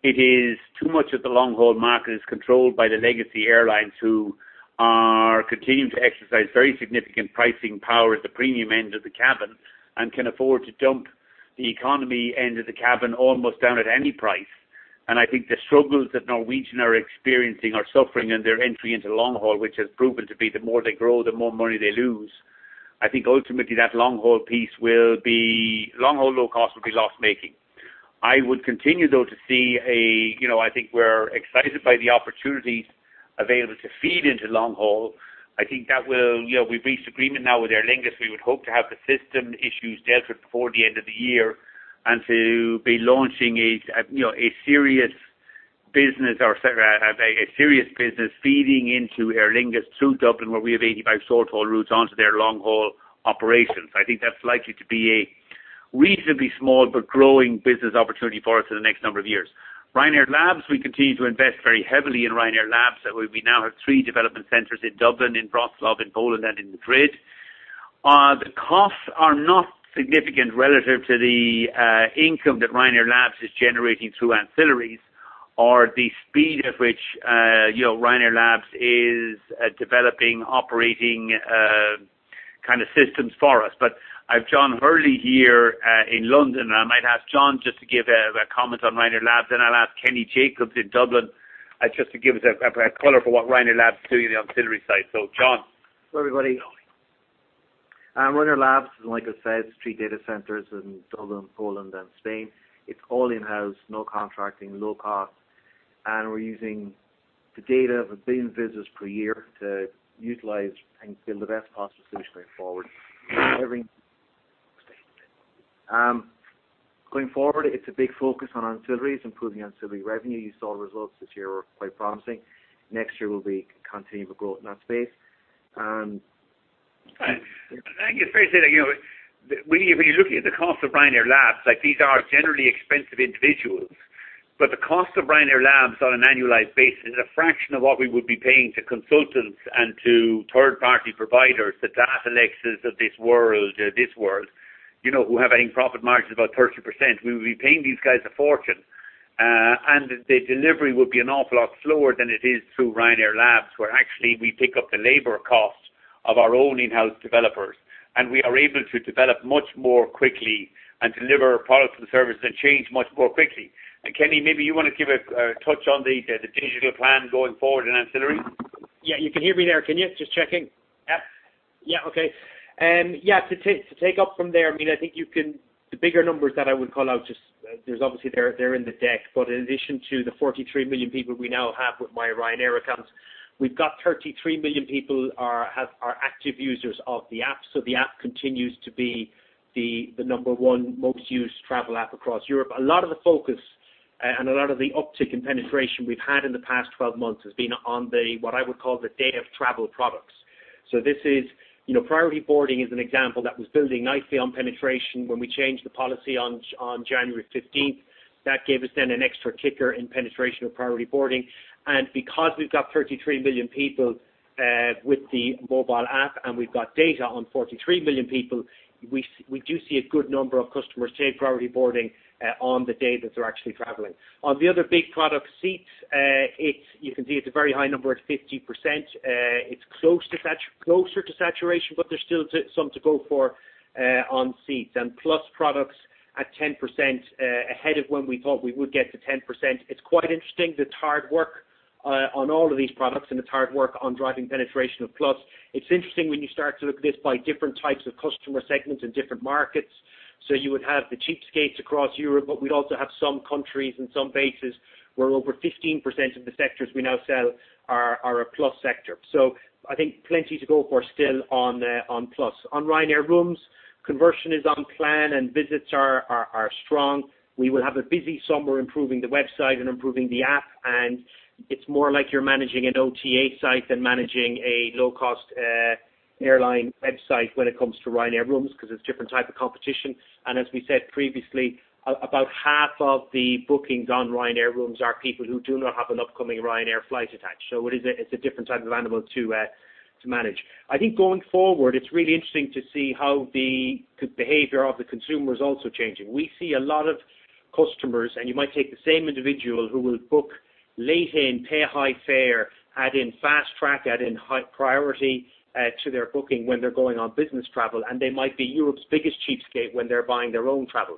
Too much of the long-haul market is controlled by the legacy airlines, who are continuing to exercise very significant pricing power at the premium end of the cabin and can afford to dump the economy end of the cabin almost down at any price. I think the struggles that Norwegian are experiencing, are suffering in their entry into long-haul, which has proven to be the more they grow, the more money they lose. I think ultimately that long-haul, low-cost will be loss-making. I would continue, though, I think we're excited by the opportunities available to feed into long-haul. We've reached agreement now with Aer Lingus. We would hope to have the system issues dealt with before the end of the year and to be launching a serious business feeding into Aer Lingus through Dublin, where we have 85 short-haul routes onto their long-haul operations. I think that's likely to be a reasonably small but growing business opportunity for us in the next number of years. Ryanair Labs, we continue to invest very heavily in Ryanair Labs. We now have three development centers in Dublin, in Wrocław in Poland, and in Madrid. The costs are not significant relative to the income that Ryanair Labs is generating through ancillaries or the speed at which Ryanair Labs is developing operating systems for us. I have John Hurley here in London, and I might ask John just to give a comment on Ryanair Labs. I will ask Kenny Jacobs in Dublin just to give us a color for what Ryanair Labs is doing in the ancillary side. John. Hello, everybody. Ryanair Labs, like I said, three data centers in Dublin, Poland, and Spain. It's all in-house, no contracting, low cost. We are using the data of a billion visitors per year to utilize and build the best possible solution going forward. Going forward, it's a big focus on ancillaries, improving ancillary revenue. You saw the results this year were quite promising. Next year will be continued growth in that space. I think it's fair to say that when you're looking at the cost of Ryanair Labs, these are generally expensive individuals. The cost of Ryanair Labs on an annualized basis is a fraction of what we would be paying to consultants and to third-party providers, the Datalex of this world who have, I think, profit margins of about 30%. We would be paying these guys a fortune. The delivery would be an awful lot slower than it is through Ryanair Labs, where actually we pick up the labor cost of our own in-house developers, and we are able to develop much more quickly and deliver products and services that change much more quickly. Kenny, maybe you want to give a touch on the digital plan going forward in ancillary. You can hear me there, can you? Just checking. Yeah. To take up from there, I think the bigger numbers that I would call out, obviously they're in the deck. In addition to the 43 million people we now have with myRyanair accounts, we've got 33 million people are active users of the app. The app continues to be the number 1 most used travel app across Europe. A lot of the focus and a lot of the uptick in penetration we've had in the past 12 months has been on what I would call the day-of-travel products. Priority boarding is an example that was building nicely on penetration when we changed the policy on January 15th. That gave us then an extra kicker in penetration of priority boarding. Because we've got 33 million people with the mobile app and we've got data on 43 million people, we do see a good number of customers take priority boarding on the day that they're actually traveling. On the other big product, seats, you can see it's a very high number at 50%. It's closer to saturation, there's still some to go for on seats. Plus products at 10%, ahead of when we thought we would get to 10%. It's quite interesting. It's hard work on all of these products, and it's hard work on driving penetration of Plus. It's interesting when you start to look at this by different types of customer segments in different markets. You would have the cheapskates across Europe, we'd also have some countries and some bases where over 15% of the sectors we now sell are a Plus sector. I think plenty to go for still on Plus. On Ryanair Rooms, conversion is on plan and visits are strong. We will have a busy summer improving the website and improving the app, and it's more like you're managing an OTA site than managing a low-cost airline website when it comes to Ryanair Rooms, because it's a different type of competition. As we said previously, about half of the bookings on Ryanair Rooms are people who do not have an upcoming Ryanair flight attached. It's a different type of animal to manage. I think going forward, it's really interesting to see how the behavior of the consumer is also changing. We see a lot of customers. You might take the same individual who will book late in, pay a high fare, add in Fast Track, add in high priority to their booking when they're going on business travel, and they might be Europe's biggest cheapskate when they're buying their own travel.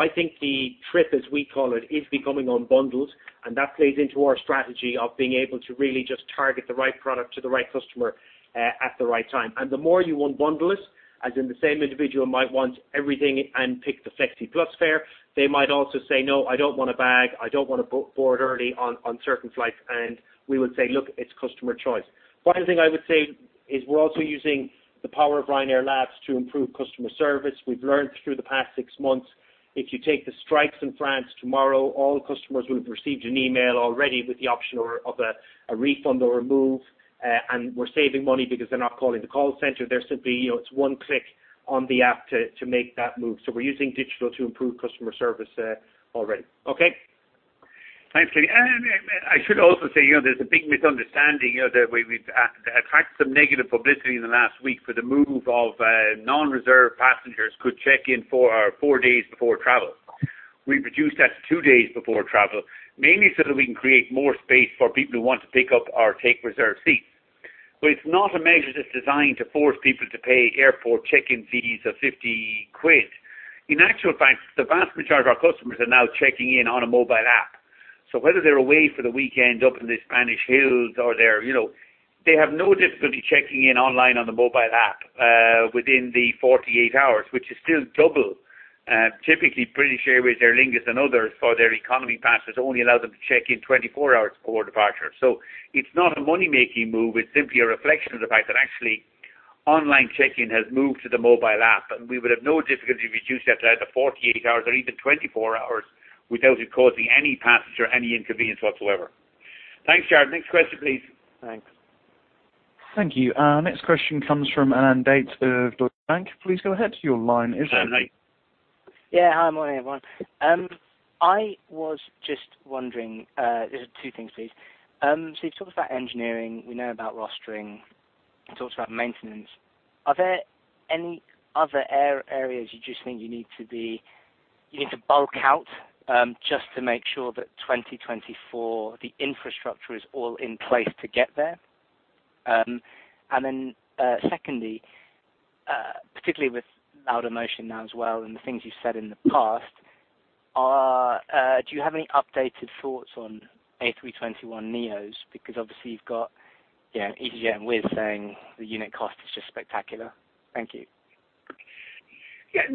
I think the trip, as we call it, is becoming unbundled, and that plays into our strategy of being able to really just target the right product to the right customer at the right time. The more you unbundle it, as in the same individual might want everything and pick the Flexi Plus fare, they might also say, "No, I don't want a bag. I don't want to board early on certain flights." We would say, "Look, it's customer choice." One thing I would say is we're also using the power of Ryanair Labs to improve customer service. We've learned through the past six months. If you take the strikes in France tomorrow, all customers would have received an email already with the option of a refund or a move, and we're saving money because they're not calling the call center. It's one click on the app to make that move. We're using digital to improve customer service already. Okay? Thanks, Eddie. I should also say, there's a big misunderstanding that we've attracted some negative publicity in the last week for the move of non-reserve passengers could check in four days before travel. We produced that to two days before travel, mainly so that we can create more space for people who want to pick up or take reserve seats. But it's not a measure that's designed to force people to pay airport check-in fees of EUR 50. In actual fact, the vast majority of our customers are now checking in on a mobile app. Whether they're away for the weekend up in the Spanish hills or they have no difficulty checking in online on the mobile app within the 48 hours, which is still double. Typically, British Airways, Aer Lingus, and others for their economy passengers only allow them to check in 24 hours before departure. It's not a money-making move. It's simply a reflection of the fact that actually, online check-in has moved to the mobile app, and we would have no difficulty reducing that to either 48 hours or even 24 hours without it causing any passenger any inconvenience whatsoever. Thanks, Jarrod. Next question, please. Thanks. Thank you. Next question comes from Alan Bates of Deutsche Bank. Please go ahead. Your line is open. Hello, Alan. Hi, morning, everyone. I was just wondering, there's two things, please. You talked about engineering, we know about rostering. You talked about maintenance. Are there any other areas you just think you need to bulk out, just to make sure that 2024, the infrastructure is all in place to get there? Secondly, particularly with Laudamotion now as well and the things you've said in the past, do you have any updated thoughts on A321neos? Because obviously you've got easyJet and Wizz saying the unit cost is just spectacular. Thank you. I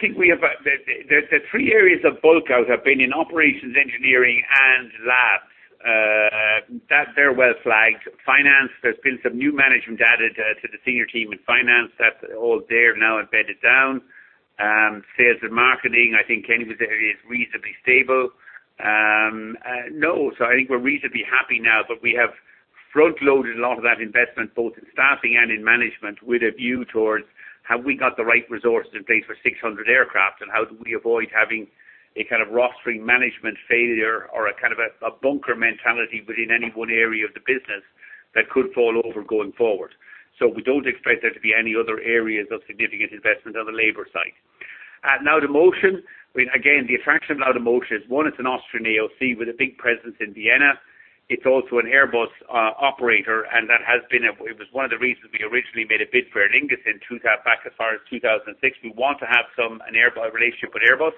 think the three areas of bulk out have been in operations, engineering, and labs. They're well flagged. Finance, there's been some new management added to the senior team in finance. That's all there now embedded down. Sales and marketing, I think Kenny would say is reasonably stable. I think we're reasonably happy now, but we have front-loaded a lot of that investment, both in staffing and in management, with a view towards have we got the right resources in place for 600 aircraft, how do we avoid having a kind of rostering management failure or a kind of a bunker mentality within any one area of the business that could fall over going forward. We don't expect there to be any other areas of significant investment on the labor side. At Laudamotion, again, the attraction of Laudamotion is, one, it's an Austrian AOC with a big presence in Vienna. It's also an Airbus operator, and it was one of the reasons we originally made a bid for Aer Lingus back as far as 2006. We want to have a relationship with Airbus.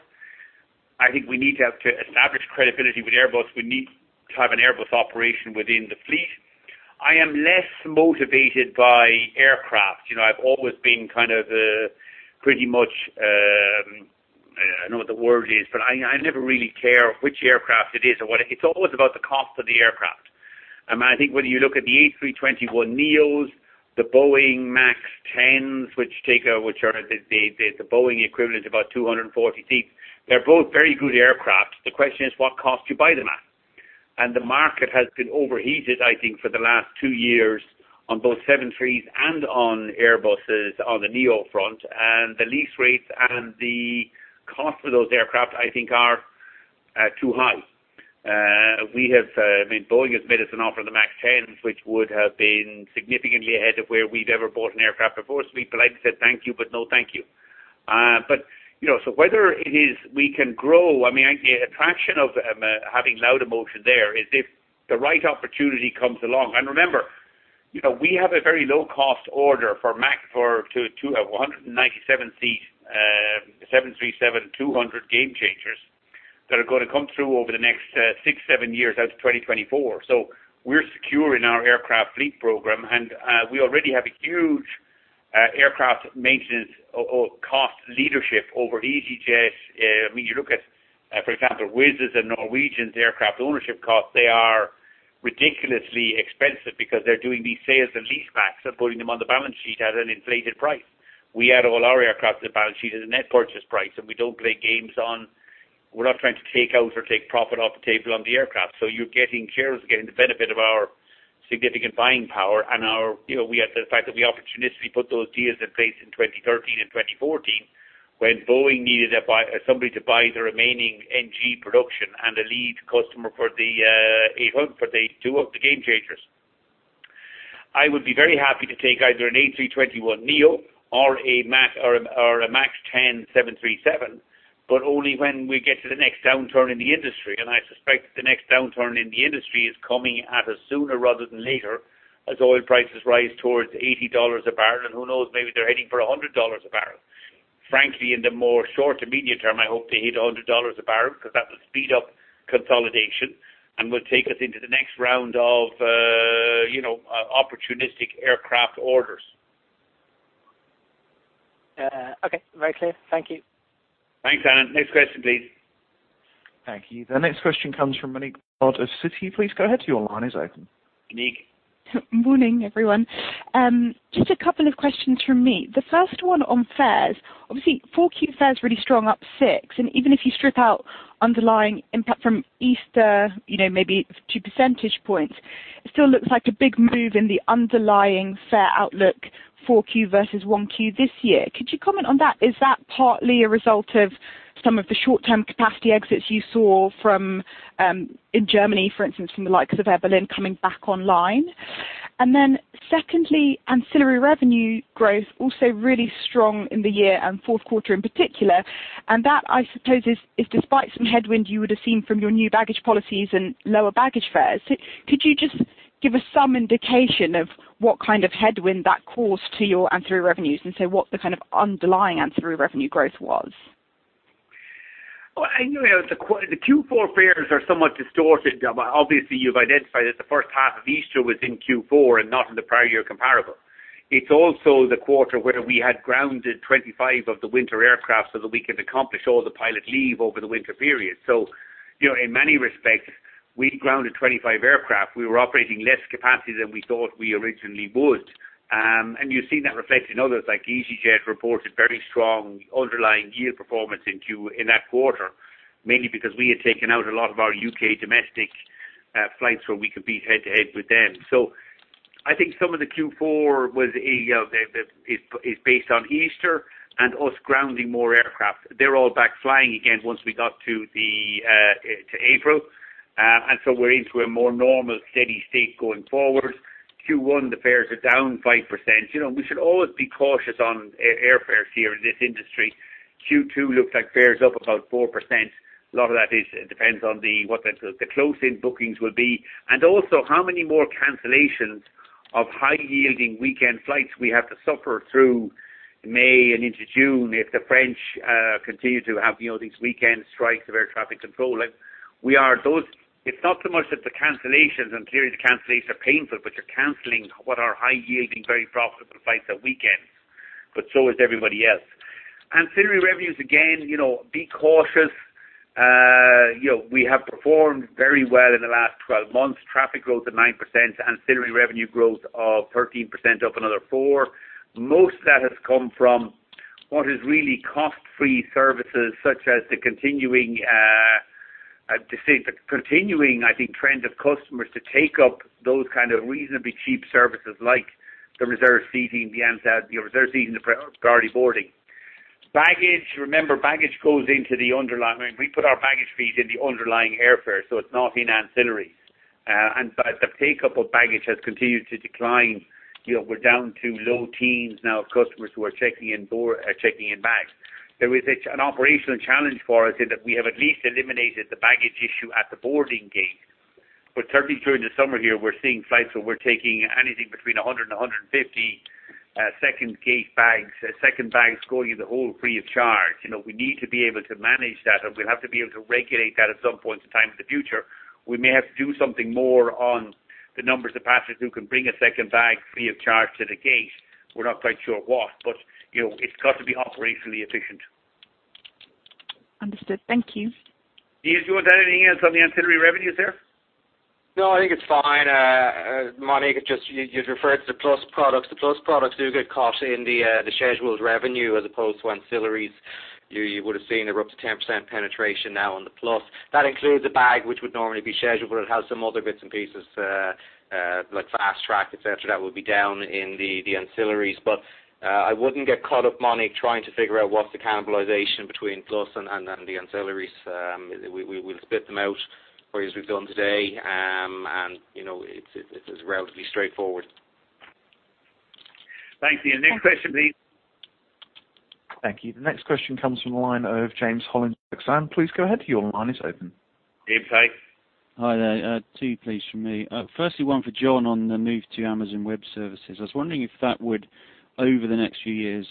I think we need to establish credibility with Airbus. We need to have an Airbus operation within the fleet. I am less motivated by aircraft. I've always been kind of pretty much. I don't know what the word is, but I never really care which aircraft it is or what. It's always about the cost of the aircraft. I think whether you look at the A321neos, the Boeing MAX 10s, which are the Boeing equivalent of about 240 seats. They're both very good aircraft. The question is, what cost do you buy them at? The market has been overheated, I think, for the last 2 years on both 73s and on Airbuses on the neo front. The lease rates and the cost of those aircraft, I think are too high. Boeing has made us an offer on the MAX 10s, which would have been significantly ahead of where we'd ever bought an aircraft before. We politely said, "Thank you, but no thank you." Whether it is we can grow, the attraction of having Laudamotion there is if the right opportunity comes along. Remember, we have a very low-cost order for MAX for 197 seat, 737, 200 Gamechangers that are going to come through over the next six, seven years out to 2024. We're secure in our aircraft fleet program, and we already have a huge aircraft maintenance or cost leadership over easyJet. You look at, for example, Wizz Air's and Norwegian Air Shuttle's aircraft ownership costs, they are ridiculously expensive because they're doing these sales and leasebacks and putting them on the balance sheet at an inflated price. We add all our aircraft to the balance sheet as a net purchase price, and we don't play games on. We're not trying to take out or take profit off the table on the aircraft. You're getting the benefit of our significant buying power and the fact that we opportunistically put those deals in place in 2013 and 2014, when Boeing needed somebody to buy the remaining NG production and a lead customer for the 800, for the two of the Gamechangers. I would be very happy to take either an A321neo or a MAX 10737, but only when we get to the next downturn in the industry. I suspect the next downturn in the industry is coming at us sooner rather than later, as oil prices rise towards $80 a barrel. Who knows, maybe they're heading for $100 a barrel. Frankly, in the more short to medium term, I hope they hit $100 a barrel because that will speed up consolidation and will take us into the next round of opportunistic aircraft orders. Okay. Very clear. Thank you. Thanks, Alan. Next question, please. Thank you. The next question comes from Monique of Citi. Please go ahead, your line is open. Monique. Morning, everyone. Just a couple of questions from me. The first one on fares. Obviously, 4Q fare is really strong, up six. Even if you strip out underlying impact from Easter, maybe two percentage points, it still looks like a big move in the underlying fare outlook 4Q versus 1Q this year. Could you comment on that? Is that partly a result of some of the short-term capacity exits you saw in Germany, for instance, from the likes of Air Berlin coming back online? Secondly, ancillary revenue growth also really strong in the year and fourth quarter in particular. That, I suppose, is despite some headwind you would have seen from your new baggage policies and lower baggage fares. Could you just give us some indication of what kind of headwind that caused to your ancillary revenues and say what the kind of underlying ancillary revenue growth was? Anyway, the Q4 fares are somewhat distorted. Obviously, you've identified that the first half of Easter was in Q4 and not in the prior year comparable. It's also the quarter where we had grounded 25 of the winter aircraft so that we could accomplish all the pilot leave over the winter period. In many respects, we grounded 25 aircraft. We were operating less capacity than we thought we originally would. You see that reflected in others, like easyJet reported very strong underlying yield performance in that quarter, mainly because we had taken out a lot of our U.K. domestic flights where we compete head-to-head with them. I think some of the Q4 is based on Easter and us grounding more aircraft. They're all back flying again once we got to April. We're into a more normal steady state going forward. Q1, the fares are down 5%. We should always be cautious on airfares here in this industry. Q2 looks like fares up about 4%. A lot of that depends on what the close-in bookings will be, and also how many more cancellations of high-yielding weekend flights we have to suffer through May and into June if the French continue to have these weekend strikes of air traffic control. It's not so much that the cancellations, and clearly the cancellations are painful, but you're canceling what are high-yielding, very profitable flights at weekends. So is everybody else. Ancillary revenues, again, be cautious. We have performed very well in the last 12 months. Traffic growth of 9%, ancillary revenue growth of 13%, up another four. Most of that has come from what is really cost-free services, such as the continuing, I think, trend of customers to take up those kind of reasonably cheap services like the reserve seating, the priority boarding. Baggage, remember, baggage goes into the underlying. We put our baggage fees in the underlying airfare, so it's not in ancillary. The take-up of baggage has continued to decline. We're down to low teens now of customers who are checking in bags. There is an operational challenge for us in that we have at least eliminated the baggage issue at the boarding gate. Certainly during the summer here, we're seeing flights where we're taking anything between 100 and 150 second gate bags, second bags going in the hold free of charge. We need to be able to manage that, and we'll have to be able to regulate that at some point in time in the future. We may have to do something more on the numbers of passengers who can bring a second bag free of charge to the gate. We're not quite sure what, but it's got to be operationally efficient. Understood. Thank you. Michael, do you want to add anything else on the ancillary revenues there? No, I think it's fine. Monique, you just referred to the Plus products. The Plus products do get caught in the scheduled revenue as opposed to ancillaries. You would've seen they're up to 10% penetration now on the Plus. That includes a bag, which would normally be scheduled, but it has some other bits and pieces, like Fast Track, et cetera, that would be down in the ancillaries. I wouldn't get caught up, Monique, trying to figure out what's the cannibalization between Plus and then the ancillaries. We'll spit them out for you as we've done today. It's relatively straightforward. Thank you. Next question, please. Thank you. The next question comes from the line of James Hollins at Exane. Please go ahead. Your line is open. James, hi. Hi there. Two, please, from me. Firstly, one for John on the move to Amazon Web Services. I was wondering if that would, over the next few years,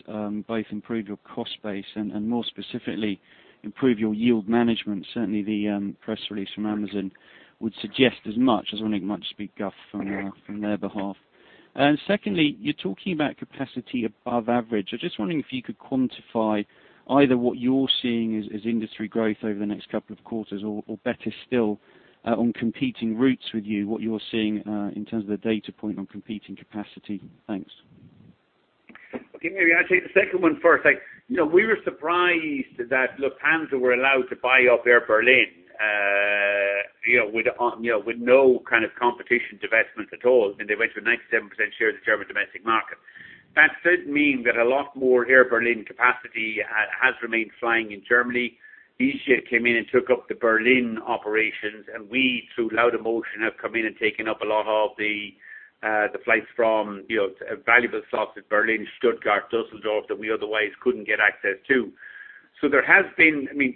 both improve your cost base and more specifically, improve your yield management. Certainly, the press release from Amazon would suggest as much. I was wondering it might just be guff from their behalf. Secondly, you're talking about capacity above average. I'm just wondering if you could quantify either what you're seeing as industry growth over the next couple of quarters or better still, on competing routes with you, what you're seeing in terms of the data point on competing capacity. Thanks. Okay, maybe I'll take the second one first. We were surprised that Lufthansa were allowed to buy up Air Berlin with no kind of competition divestment at all. They went to a 97% share of the German domestic market. That did mean that a lot more Air Berlin capacity has remained flying in Germany. easyJet came in and took up the Berlin operations, and we, through Laudamotion, have come in and taken up a lot of the flights from valuable slots at Berlin, Stuttgart, Düsseldorf, that we otherwise couldn't get access to.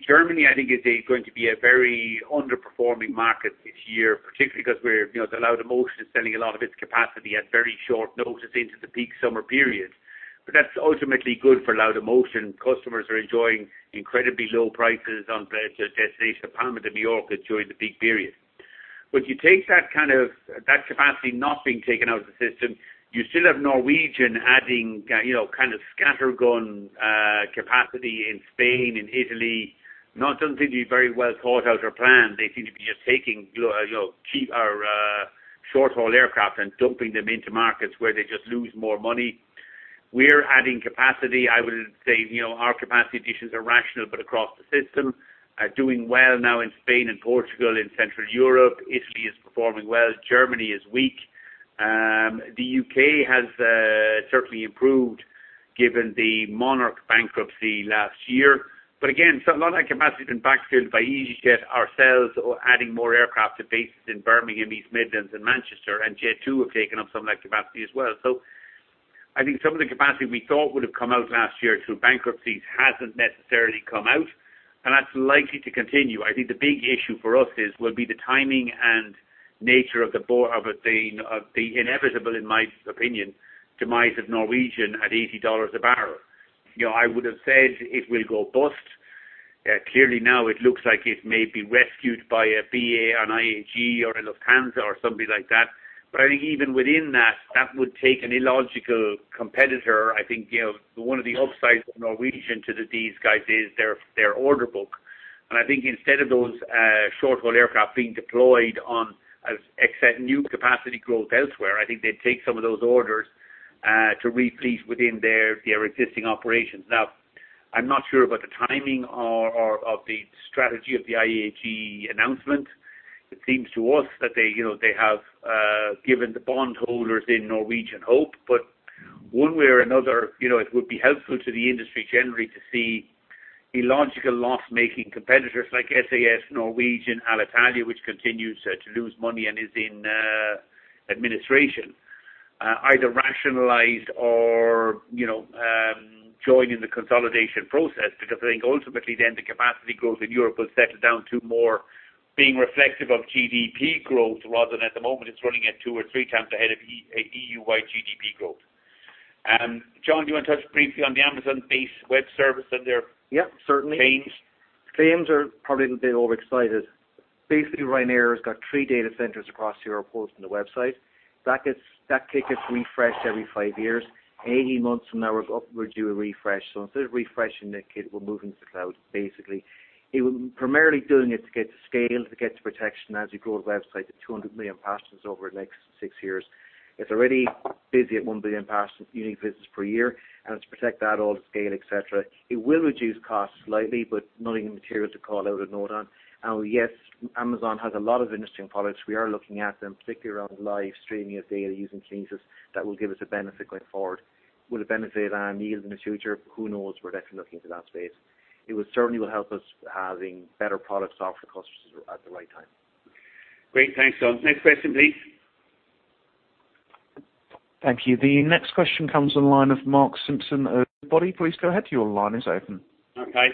Germany, I think, is going to be a very underperforming market this year, particularly because Laudamotion is selling a lot of its capacity at very short notice into the peak summer period. That's ultimately good for Laudamotion. Customers are enjoying incredibly low prices on flights to destinations in Palma de Mallorca during the peak period. You take that capacity not being taken out of the system, you still have Norwegian adding kind of scattergun capacity in Spain and Italy. Not something very well thought out or planned. They seem to be just taking short-haul aircraft and dumping them into markets where they just lose more money. We're adding capacity. I would say our capacity additions are rational, but across the system. Doing well now in Spain and Portugal, in Central Europe. Italy is performing well. Germany is weak. The U.K. has certainly improved given the Monarch bankruptcy last year. Again, a lot of that capacity has been backfilled by easyJet, ourselves, or adding more aircraft to bases in Birmingham, East Midlands and Manchester, and Jet2 have taken up some of that capacity as well. I think some of the capacity we thought would've come out last year through bankruptcies hasn't necessarily come out, and that's likely to continue. I think the big issue for us is, will be the timing and nature of the inevitable, in my opinion, demise of Norwegian at $80 a barrel. I would've said it will go bust. Clearly now it looks like it may be rescued by a BA, an IAG or a Lufthansa or somebody like that. I think even within that would take an illogical competitor. I think one of the upsides of Norwegian to these guys is their order book. I think instead of those short-haul aircraft being deployed on new capacity growth elsewhere, I think they'd take some of those orders to replete within their existing operations. I'm not sure about the timing of the strategy of the IAG announcement. It seems to us that they have given the bondholders in Norwegian hope. One way or another, it would be helpful to the industry generally to see illogical loss-making competitors like SAS, Norwegian, Alitalia, which continues to lose money and is in administration, either rationalize or join in the consolidation process. I think ultimately then the capacity growth in Europe will settle down to more being reflective of GDP growth rather than at the moment, it's running at two or three times ahead of EU-wide GDP growth. John, do you want to touch briefly on the Amazon-based web service? Yeah, certainly. -claims. Claims are probably a little bit overexcited. Basically, Ryanair has got three data centers across Europe hosting the website. That gets refreshed every five years. 18 months from now, we're due a refresh. Instead of refreshing it, we're moving to the cloud, basically. Primarily doing it to get to scale, to get to protection as we grow the website to 200 million passengers over the next six years. It's already busy at 1 billion unique visits per year, and to protect that, all the scale, et cetera. It will reduce costs slightly, but nothing material to call out a note on. Yes, Amazon has a lot of interesting products. We are looking at them, particularly around live streaming of data using Kinesis that will give us a benefit going forward. Will it benefit our needs in the future? Who knows. We're definitely looking into that space. It certainly will help us having better products offered to customers at the right time. Great. Thanks, John. Next question please. Thank you. The next question comes on the line of Mark Simpson of Berenberg. Please go ahead. Your line is open. Okay.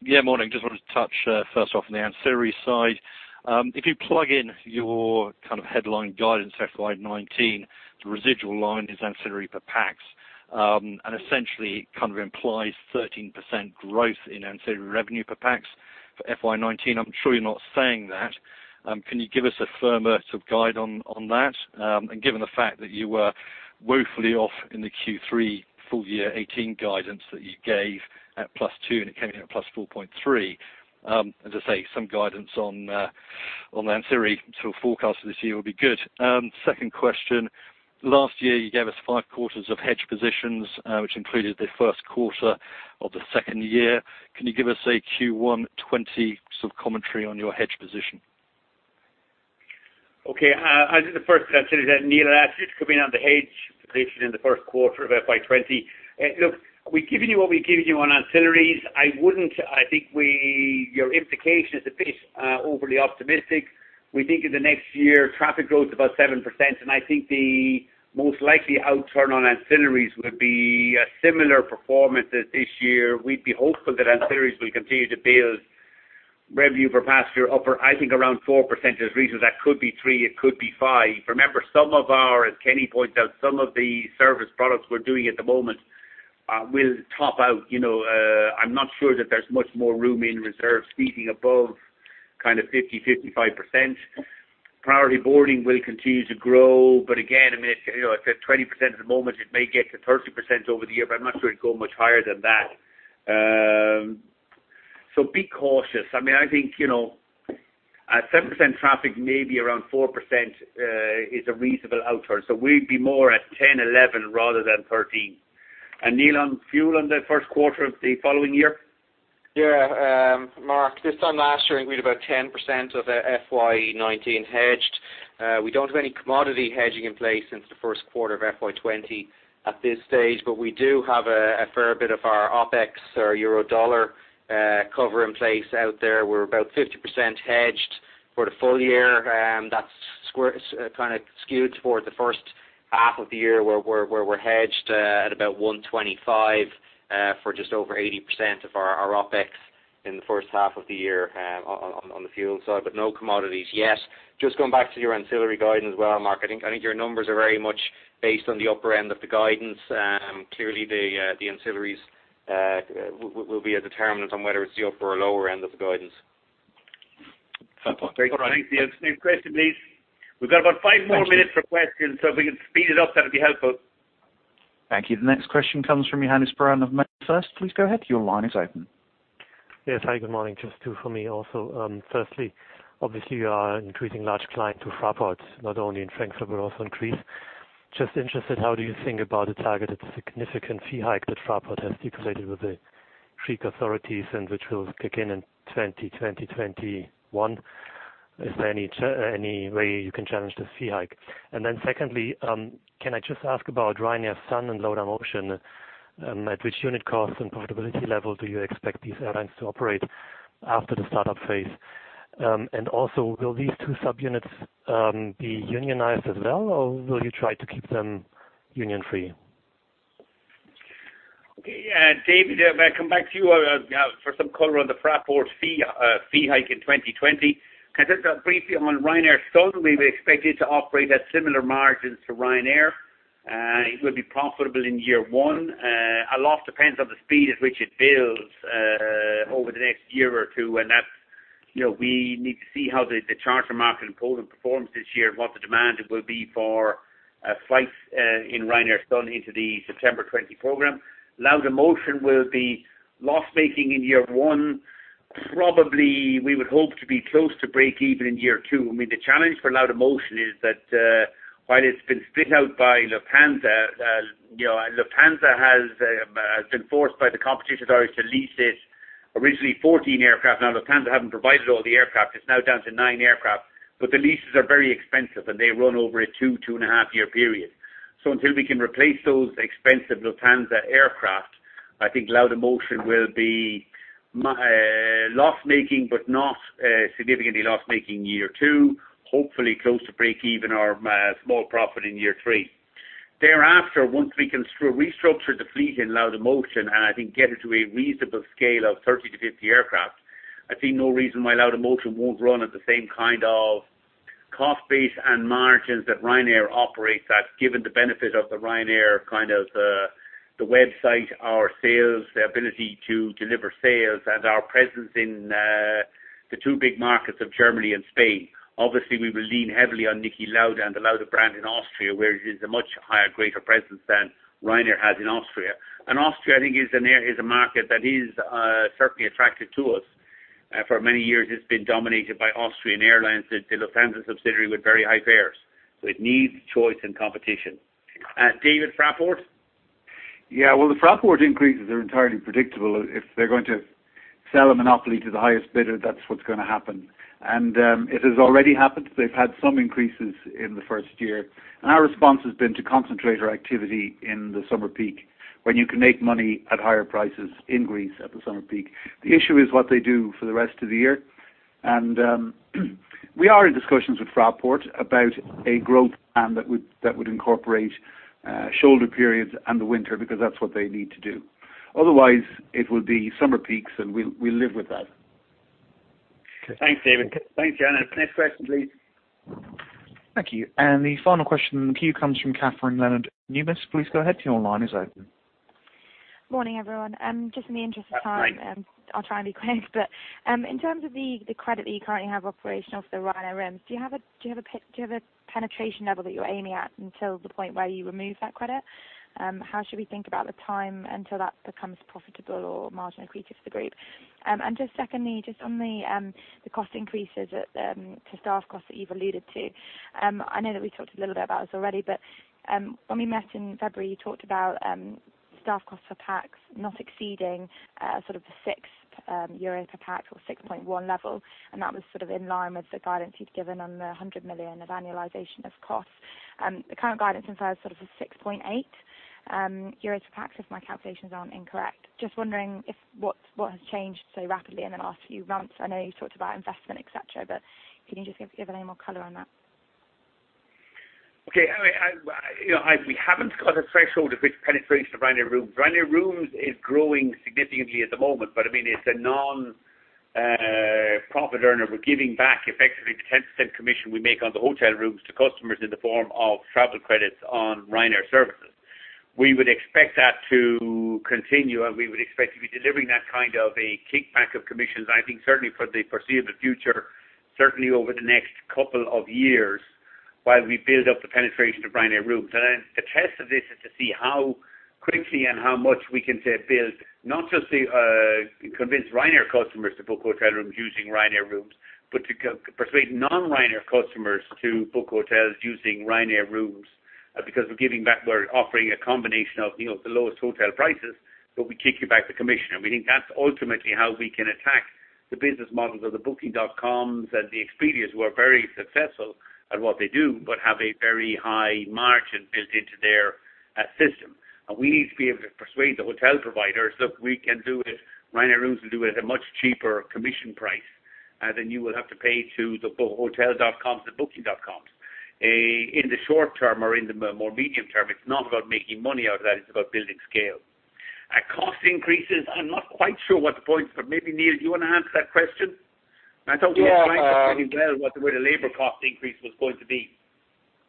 Yeah, morning. Just wanted to touch first off on the ancillary side. If you plug in your headline guidance FY 2019, the residual line is ancillary per pax. Essentially, it kind of implies 13% growth in ancillary revenue per pax for FY 2019. I'm sure you're not saying that. Can you give us a firmer sort of guide on that? Given the fact that you were Woefully off in the Q3 full year 2018 guidance that you gave at +2, and it came in at +4.3. As I say, some guidance on ancillary to a forecast for this year would be good. Second question. Last year you gave us five quarters of hedge positions, which included the first quarter of the second year. Can you give us a Q1 2020 commentary on your hedge position? Okay. I'll do the first, that Neil asked you to comment on the hedge position in the first quarter of FY 2020. We've given you what we've given you on ancillaries. I think your implication is a bit overly optimistic. We think in the next year, traffic growth about 7%, I think the most likely outturn on ancillaries would be a similar performance as this year. We'd be hopeful that ancillaries will continue to build revenue per passenger upper, I think around 4% is reasonable. That could be three, it could be five. Remember, as Kenny pointed out, some of the service products we're doing at the moment will top out. I'm not sure that there's much more room in reserve seating above 50%-55%. Priority boarding will continue to grow. Again, it's at 20% at the moment. It may get to 30% over the year, I'm not sure it'd go much higher than that. Be cautious. I think at 7% traffic, maybe around 4% is a reasonable outturn. We'd be more at 10, 11 rather than 13. Neil, on fuel in the first quarter of the following year? Mark, this time last year, I think we had about 10% of our FY 2019 hedged. We don't have any commodity hedging in place since the first quarter of FY 2020 at this stage, we do have a fair bit of our OpEx or Euro dollar cover in place out there. We're about 50% hedged for the full year. That's kind of skewed toward the first half of the year, where we're hedged at about 125 for just over 80% of our OpEx in the first half of the year on the fuel side, no commodities yet. Just going back to your ancillary guidance as well, Mark, I think your numbers are very much based on the upper end of the guidance. Clearly the ancillaries will be a determinant on whether it's the upper or lower end of the guidance. Fair point. All right. Thanks Neil. Next question please. We've got about five more minutes for questions. If we could speed it up, that'd be helpful. Thank you. The next question comes from Johannes Braun of. Please go ahead. Your line is open. Yes. Hi, good morning. Just two for me also. Firstly, obviously you are an increasing large client to Fraport, not only in Frankfurt, but also in Greece. Just interested, how do you think about the targeted significant fee hike that Fraport has stipulated with the Greek authorities and which will kick in in 2020, 2021? Is there any way you can challenge this fee hike? Secondly, can I just ask about Ryanair Sun and Laudamotion, at which unit cost and profitability level do you expect these airlines to operate after the startup phase? Also, will these two subunits be unionized as well or will you try to keep them union-free? Okay. David, may I come back to you for some color on the Fraport fee hike in 2020? Can I just briefly on Ryanair Sun, we expect it to operate at similar margins to Ryanair. It will be profitable in year one. A lot depends on the speed at which it builds over the next year or two. We need to see how the charter market in Poland performs this year and what the demand will be for flights in Ryanair Sun into the September 2020 program. Laudamotion will be loss-making in year one. Probably, we would hope to be close to breakeven in year two. The challenge for Laudamotion is that while it's been split out by Lufthansa has been forced by the competition authority to lease it originally 14 aircraft. Lufthansa haven't provided all the aircraft. It's now down to nine aircraft. The leases are very expensive, and they run over a two and a half year period. Until we can replace those expensive Lufthansa aircraft, I think Laudamotion will be loss-making, but not significantly loss-making year two, hopefully close to breakeven or a small profit in year three. Thereafter, once we can restructure the fleet in Laudamotion, and I think get it to a reasonable scale of 30 to 50 aircraft, I see no reason why Laudamotion won't run at the same kind of cost base and margins that Ryanair operates at, given the benefit of the Ryanair website, our sales, the ability to deliver sales, and our presence in the two big markets of Germany and Spain. Obviously, we will lean heavily on Niki Lauda and the Lauda brand in Austria, where it is a much higher, greater presence than Ryanair has in Austria. Austria, I think is a market that is certainly attractive to us. For many years, it's been dominated by Austrian Airlines, the Lufthansa subsidiary, with very high fares. It needs choice and competition. David, Fraport? Well, the Fraport increases are entirely predictable. If they're going to sell a monopoly to the highest bidder, that's what's going to happen. It has already happened. They've had some increases in the first year, and our response has been to concentrate our activity in the summer peak, when you can make money at higher prices in Greece at the summer peak. The issue is what they do for the rest of the year. We are in discussions with Fraport about a growth plan that would incorporate shoulder periods and the winter, because that's what they need to do. Otherwise, it will be summer peaks, and we'll live with that. Thanks, David. Thanks, Johannes. Next question, please. Thank you. The final question in the queue comes from Catherine Leonard, Numis. Please go ahead. Your line is open Morning, everyone. Just in the interest of time Right I'll try and be quick but in terms of the credit that you currently have operational for the Ryanair Rooms, do you have a penetration level that you're aiming at until the point where you remove that credit? How should we think about the time until that becomes profitable or margin-accretive to the group? Just secondly, just on the cost increases to staff costs that you've alluded to, I know that we talked a little bit about this already, but when we met in February, you talked about staff costs per pax not exceeding sort of the six EUR per pax or 6.1 level, and that was sort of in line with the guidance you'd given on the 100 million of annualization of costs. The current guidance implies sort of a 6.8 euro per pax, if my calculations aren't incorrect. Just wondering what has changed so rapidly in the last few months? I know you talked about investment, et cetera, but can you just give a little more color on that? Okay. We haven't got a threshold at which penetration of Ryanair Rooms. Ryanair Rooms is growing significantly at the moment, but it's a non-profit earner. We're giving back effectively the 10% commission we make on the hotel rooms to customers in the form of travel credits on Ryanair services. We would expect that to continue, we would expect to be delivering that kind of a kickback of commissions, I think certainly for the foreseeable future, certainly over the next couple of years, while we build up the penetration of Ryanair Rooms. The test of this is to see how quickly and how much we can build, not just to convince Ryanair customers to book hotel rooms using Ryanair Rooms, but to persuade non-Ryanair customers to book hotels using Ryanair Rooms. We're offering a combination of the lowest hotel prices, but we kick you back the commission. We think that's ultimately how we can attack the business models of the Booking.com's and the Expedia's, who are very successful at what they do, but have a very high margin built into their system. We need to be able to persuade the hotel providers, "Look, we can do it. Ryanair Rooms will do it at a much cheaper commission price than you will have to pay to the Hotels.com's, the Booking.com's." In the short term or in the more medium term, it's not about making money out of that, it's about building scale. Cost increases, I'm not quite sure what the point, but maybe Neil, do you want to answer that question? Yeah. I thought we had priced it pretty well, what the labor cost increase was going to be.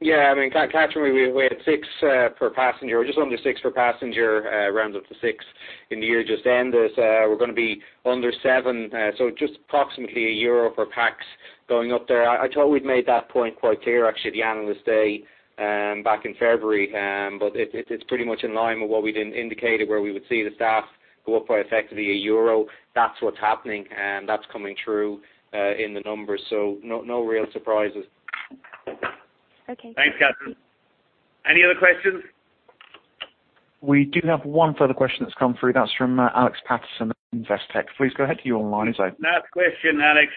Yeah, Catherine, we had six per passenger, or just under six per passenger, rounds up to six in the year just end. We're going to be under seven, so just approximately EUR 1 per pax going up there. I thought we'd made that point quite clear, actually, at the analyst day back in February. It's pretty much in line with what we indicated, where we would see the staff go up by effectively EUR 1. That's what's happening and that's coming through in the numbers. No real surprises. Okay. Thanks, Catherine. Any other questions? We do have one further question that has come through. That is from Alex Patterson, Investec. Please go ahead. You are online. Last question, Alex.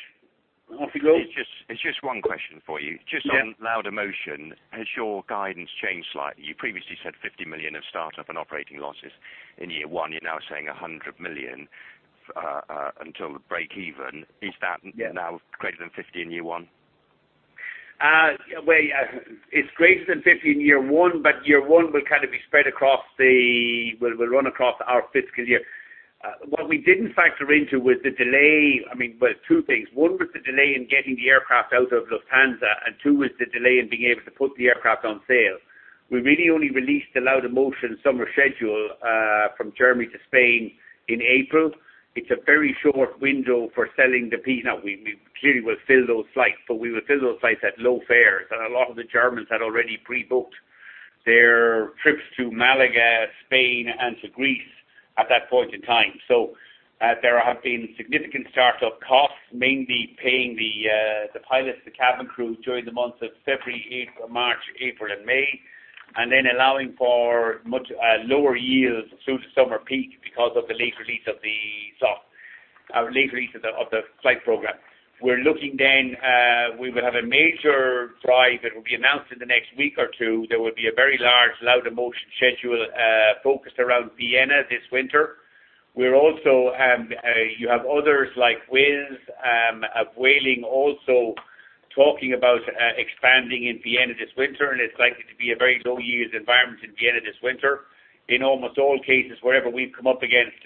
Off you go. It is just one question for you. Yeah. Just on Laudamotion, has your guidance changed slightly? You previously said 50 million of start-up and operating losses in year one. You're now saying 100 million until the break-even. Is that- Yeah now greater than 50 in year one? Well, yeah. It's greater than 50 in year one, but year one will run across our fiscal year. What we didn't factor into was the delay in getting the aircraft out of Lufthansa, and two was the delay in being able to put the aircraft on sale. We really only released the Laudamotion summer schedule from Germany to Spain in April. It's a very short window for selling the. Now, we clearly will fill those flights, but we will fill those flights at low fares. A lot of the Germans had already pre-booked their trips to Malaga, Spain, and to Greece at that point in time. There have been significant start-up costs, mainly paying the pilots, the cabin crew during the months of February, March, April, and May. Allowing for much lower yields through the summer peak because of the late release of the flight program. We're looking then, we will have a major drive, it will be announced in the next week or two. There will be a very large Laudamotion schedule focused around Vienna this winter. You have others like Wizz, Vueling also talking about expanding in Vienna this winter, it's likely to be a very low-yield environment in Vienna this winter. In almost all cases, wherever we've come up against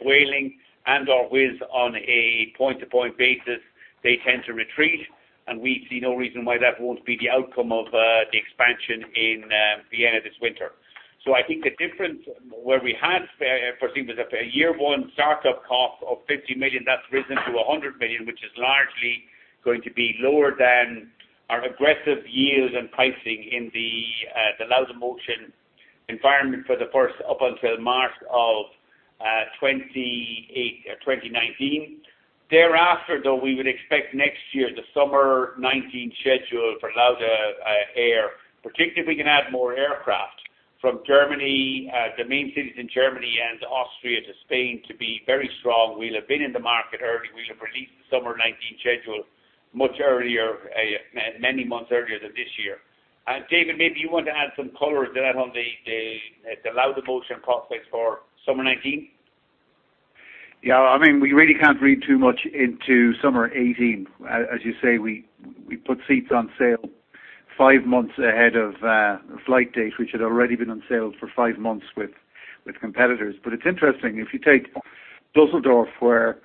Vueling and/or Wizz on a point-to-point basis, they tend to retreat, we see no reason why that won't be the outcome of the expansion in Vienna this winter. I think the difference, where we had foreseen was a year one start-up cost of 50 million, that's risen to 100 million, which is largely going to be lower than our aggressive yield and pricing in the Laudamotion environment for the first up until March 2019. Thereafter, though, we would expect next year, the summer 2019 schedule for Laudamotion, particularly if we can add more aircraft from Germany, the main cities in Germany and Austria to Spain to be very strong. We'll have been in the market early. We'll have released the summer 2019 schedule many months earlier than this year. David, maybe you want to add some color to that on the Laudamotion prospects for summer 2019? Yeah. We really can't read too much into summer 2018. As you say, we put seats on sale five months ahead of flight dates which had already been on sale for five months with competitors. It's interesting, if you take Düsseldorf, where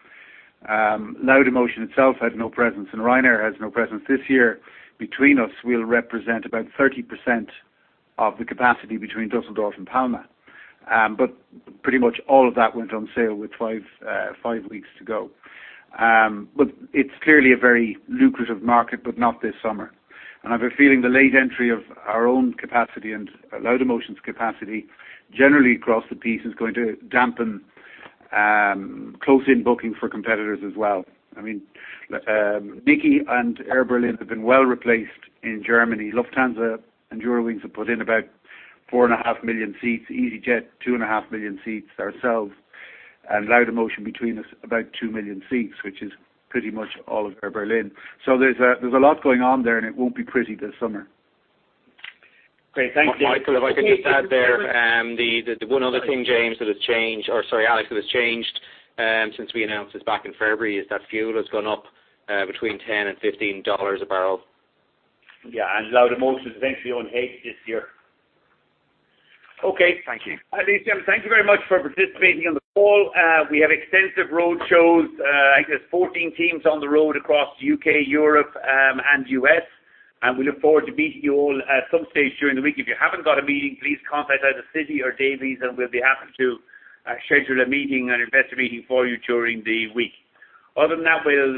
Laudamotion itself had no presence and Ryanair has no presence this year. Between us, we'll represent about 30% of the capacity between Düsseldorf and Palma. Pretty much all of that went on sale with five weeks to go. It's clearly a very lucrative market, but not this summer. I have a feeling the late entry of our own capacity and Laudamotion's capacity generally across the piece is going to dampen close-in booking for competitors as well. Niki and Air Berlin have been well replaced in Germany. Lufthansa and Eurowings have put in about 4.5 million seats, easyJet, 2.5 million seats, ourselves and Laudamotion between us, about 2 million seats, which is pretty much all of Air Berlin. There's a lot going on there, and it won't be pretty this summer. Great. Thanks, David. Michael, if I could just add there- Sorry. The one other thing, James, that has changed, or sorry, Alex, that has changed since we announced this back in February, is that fuel has gone up between $10 and $15 a barrel. Laudamotion is essentially on track this year. Okay. Thank you. Ladies and gentlemen, thank you very much for participating in the call. We have extensive roadshows. I think there's 14 teams on the road across U.K., Europe, and U.S., we look forward to meeting you all at some stage during the week. If you haven't got a meeting, please contact either Cindy or Davies, we'll be happy to schedule a meeting, an investor meeting for you during the week. Other than that, we'll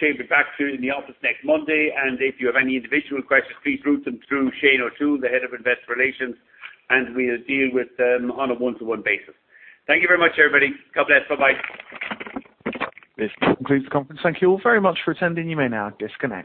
shave it back to in the office next Monday, if you have any individual questions, please route them through Shane or to the head of investor relations, we'll deal with them on a one-to-one basis. Thank you very much, everybody. God bless. Bye-bye. This concludes the conference. Thank you all very much for attending. You may now disconnect.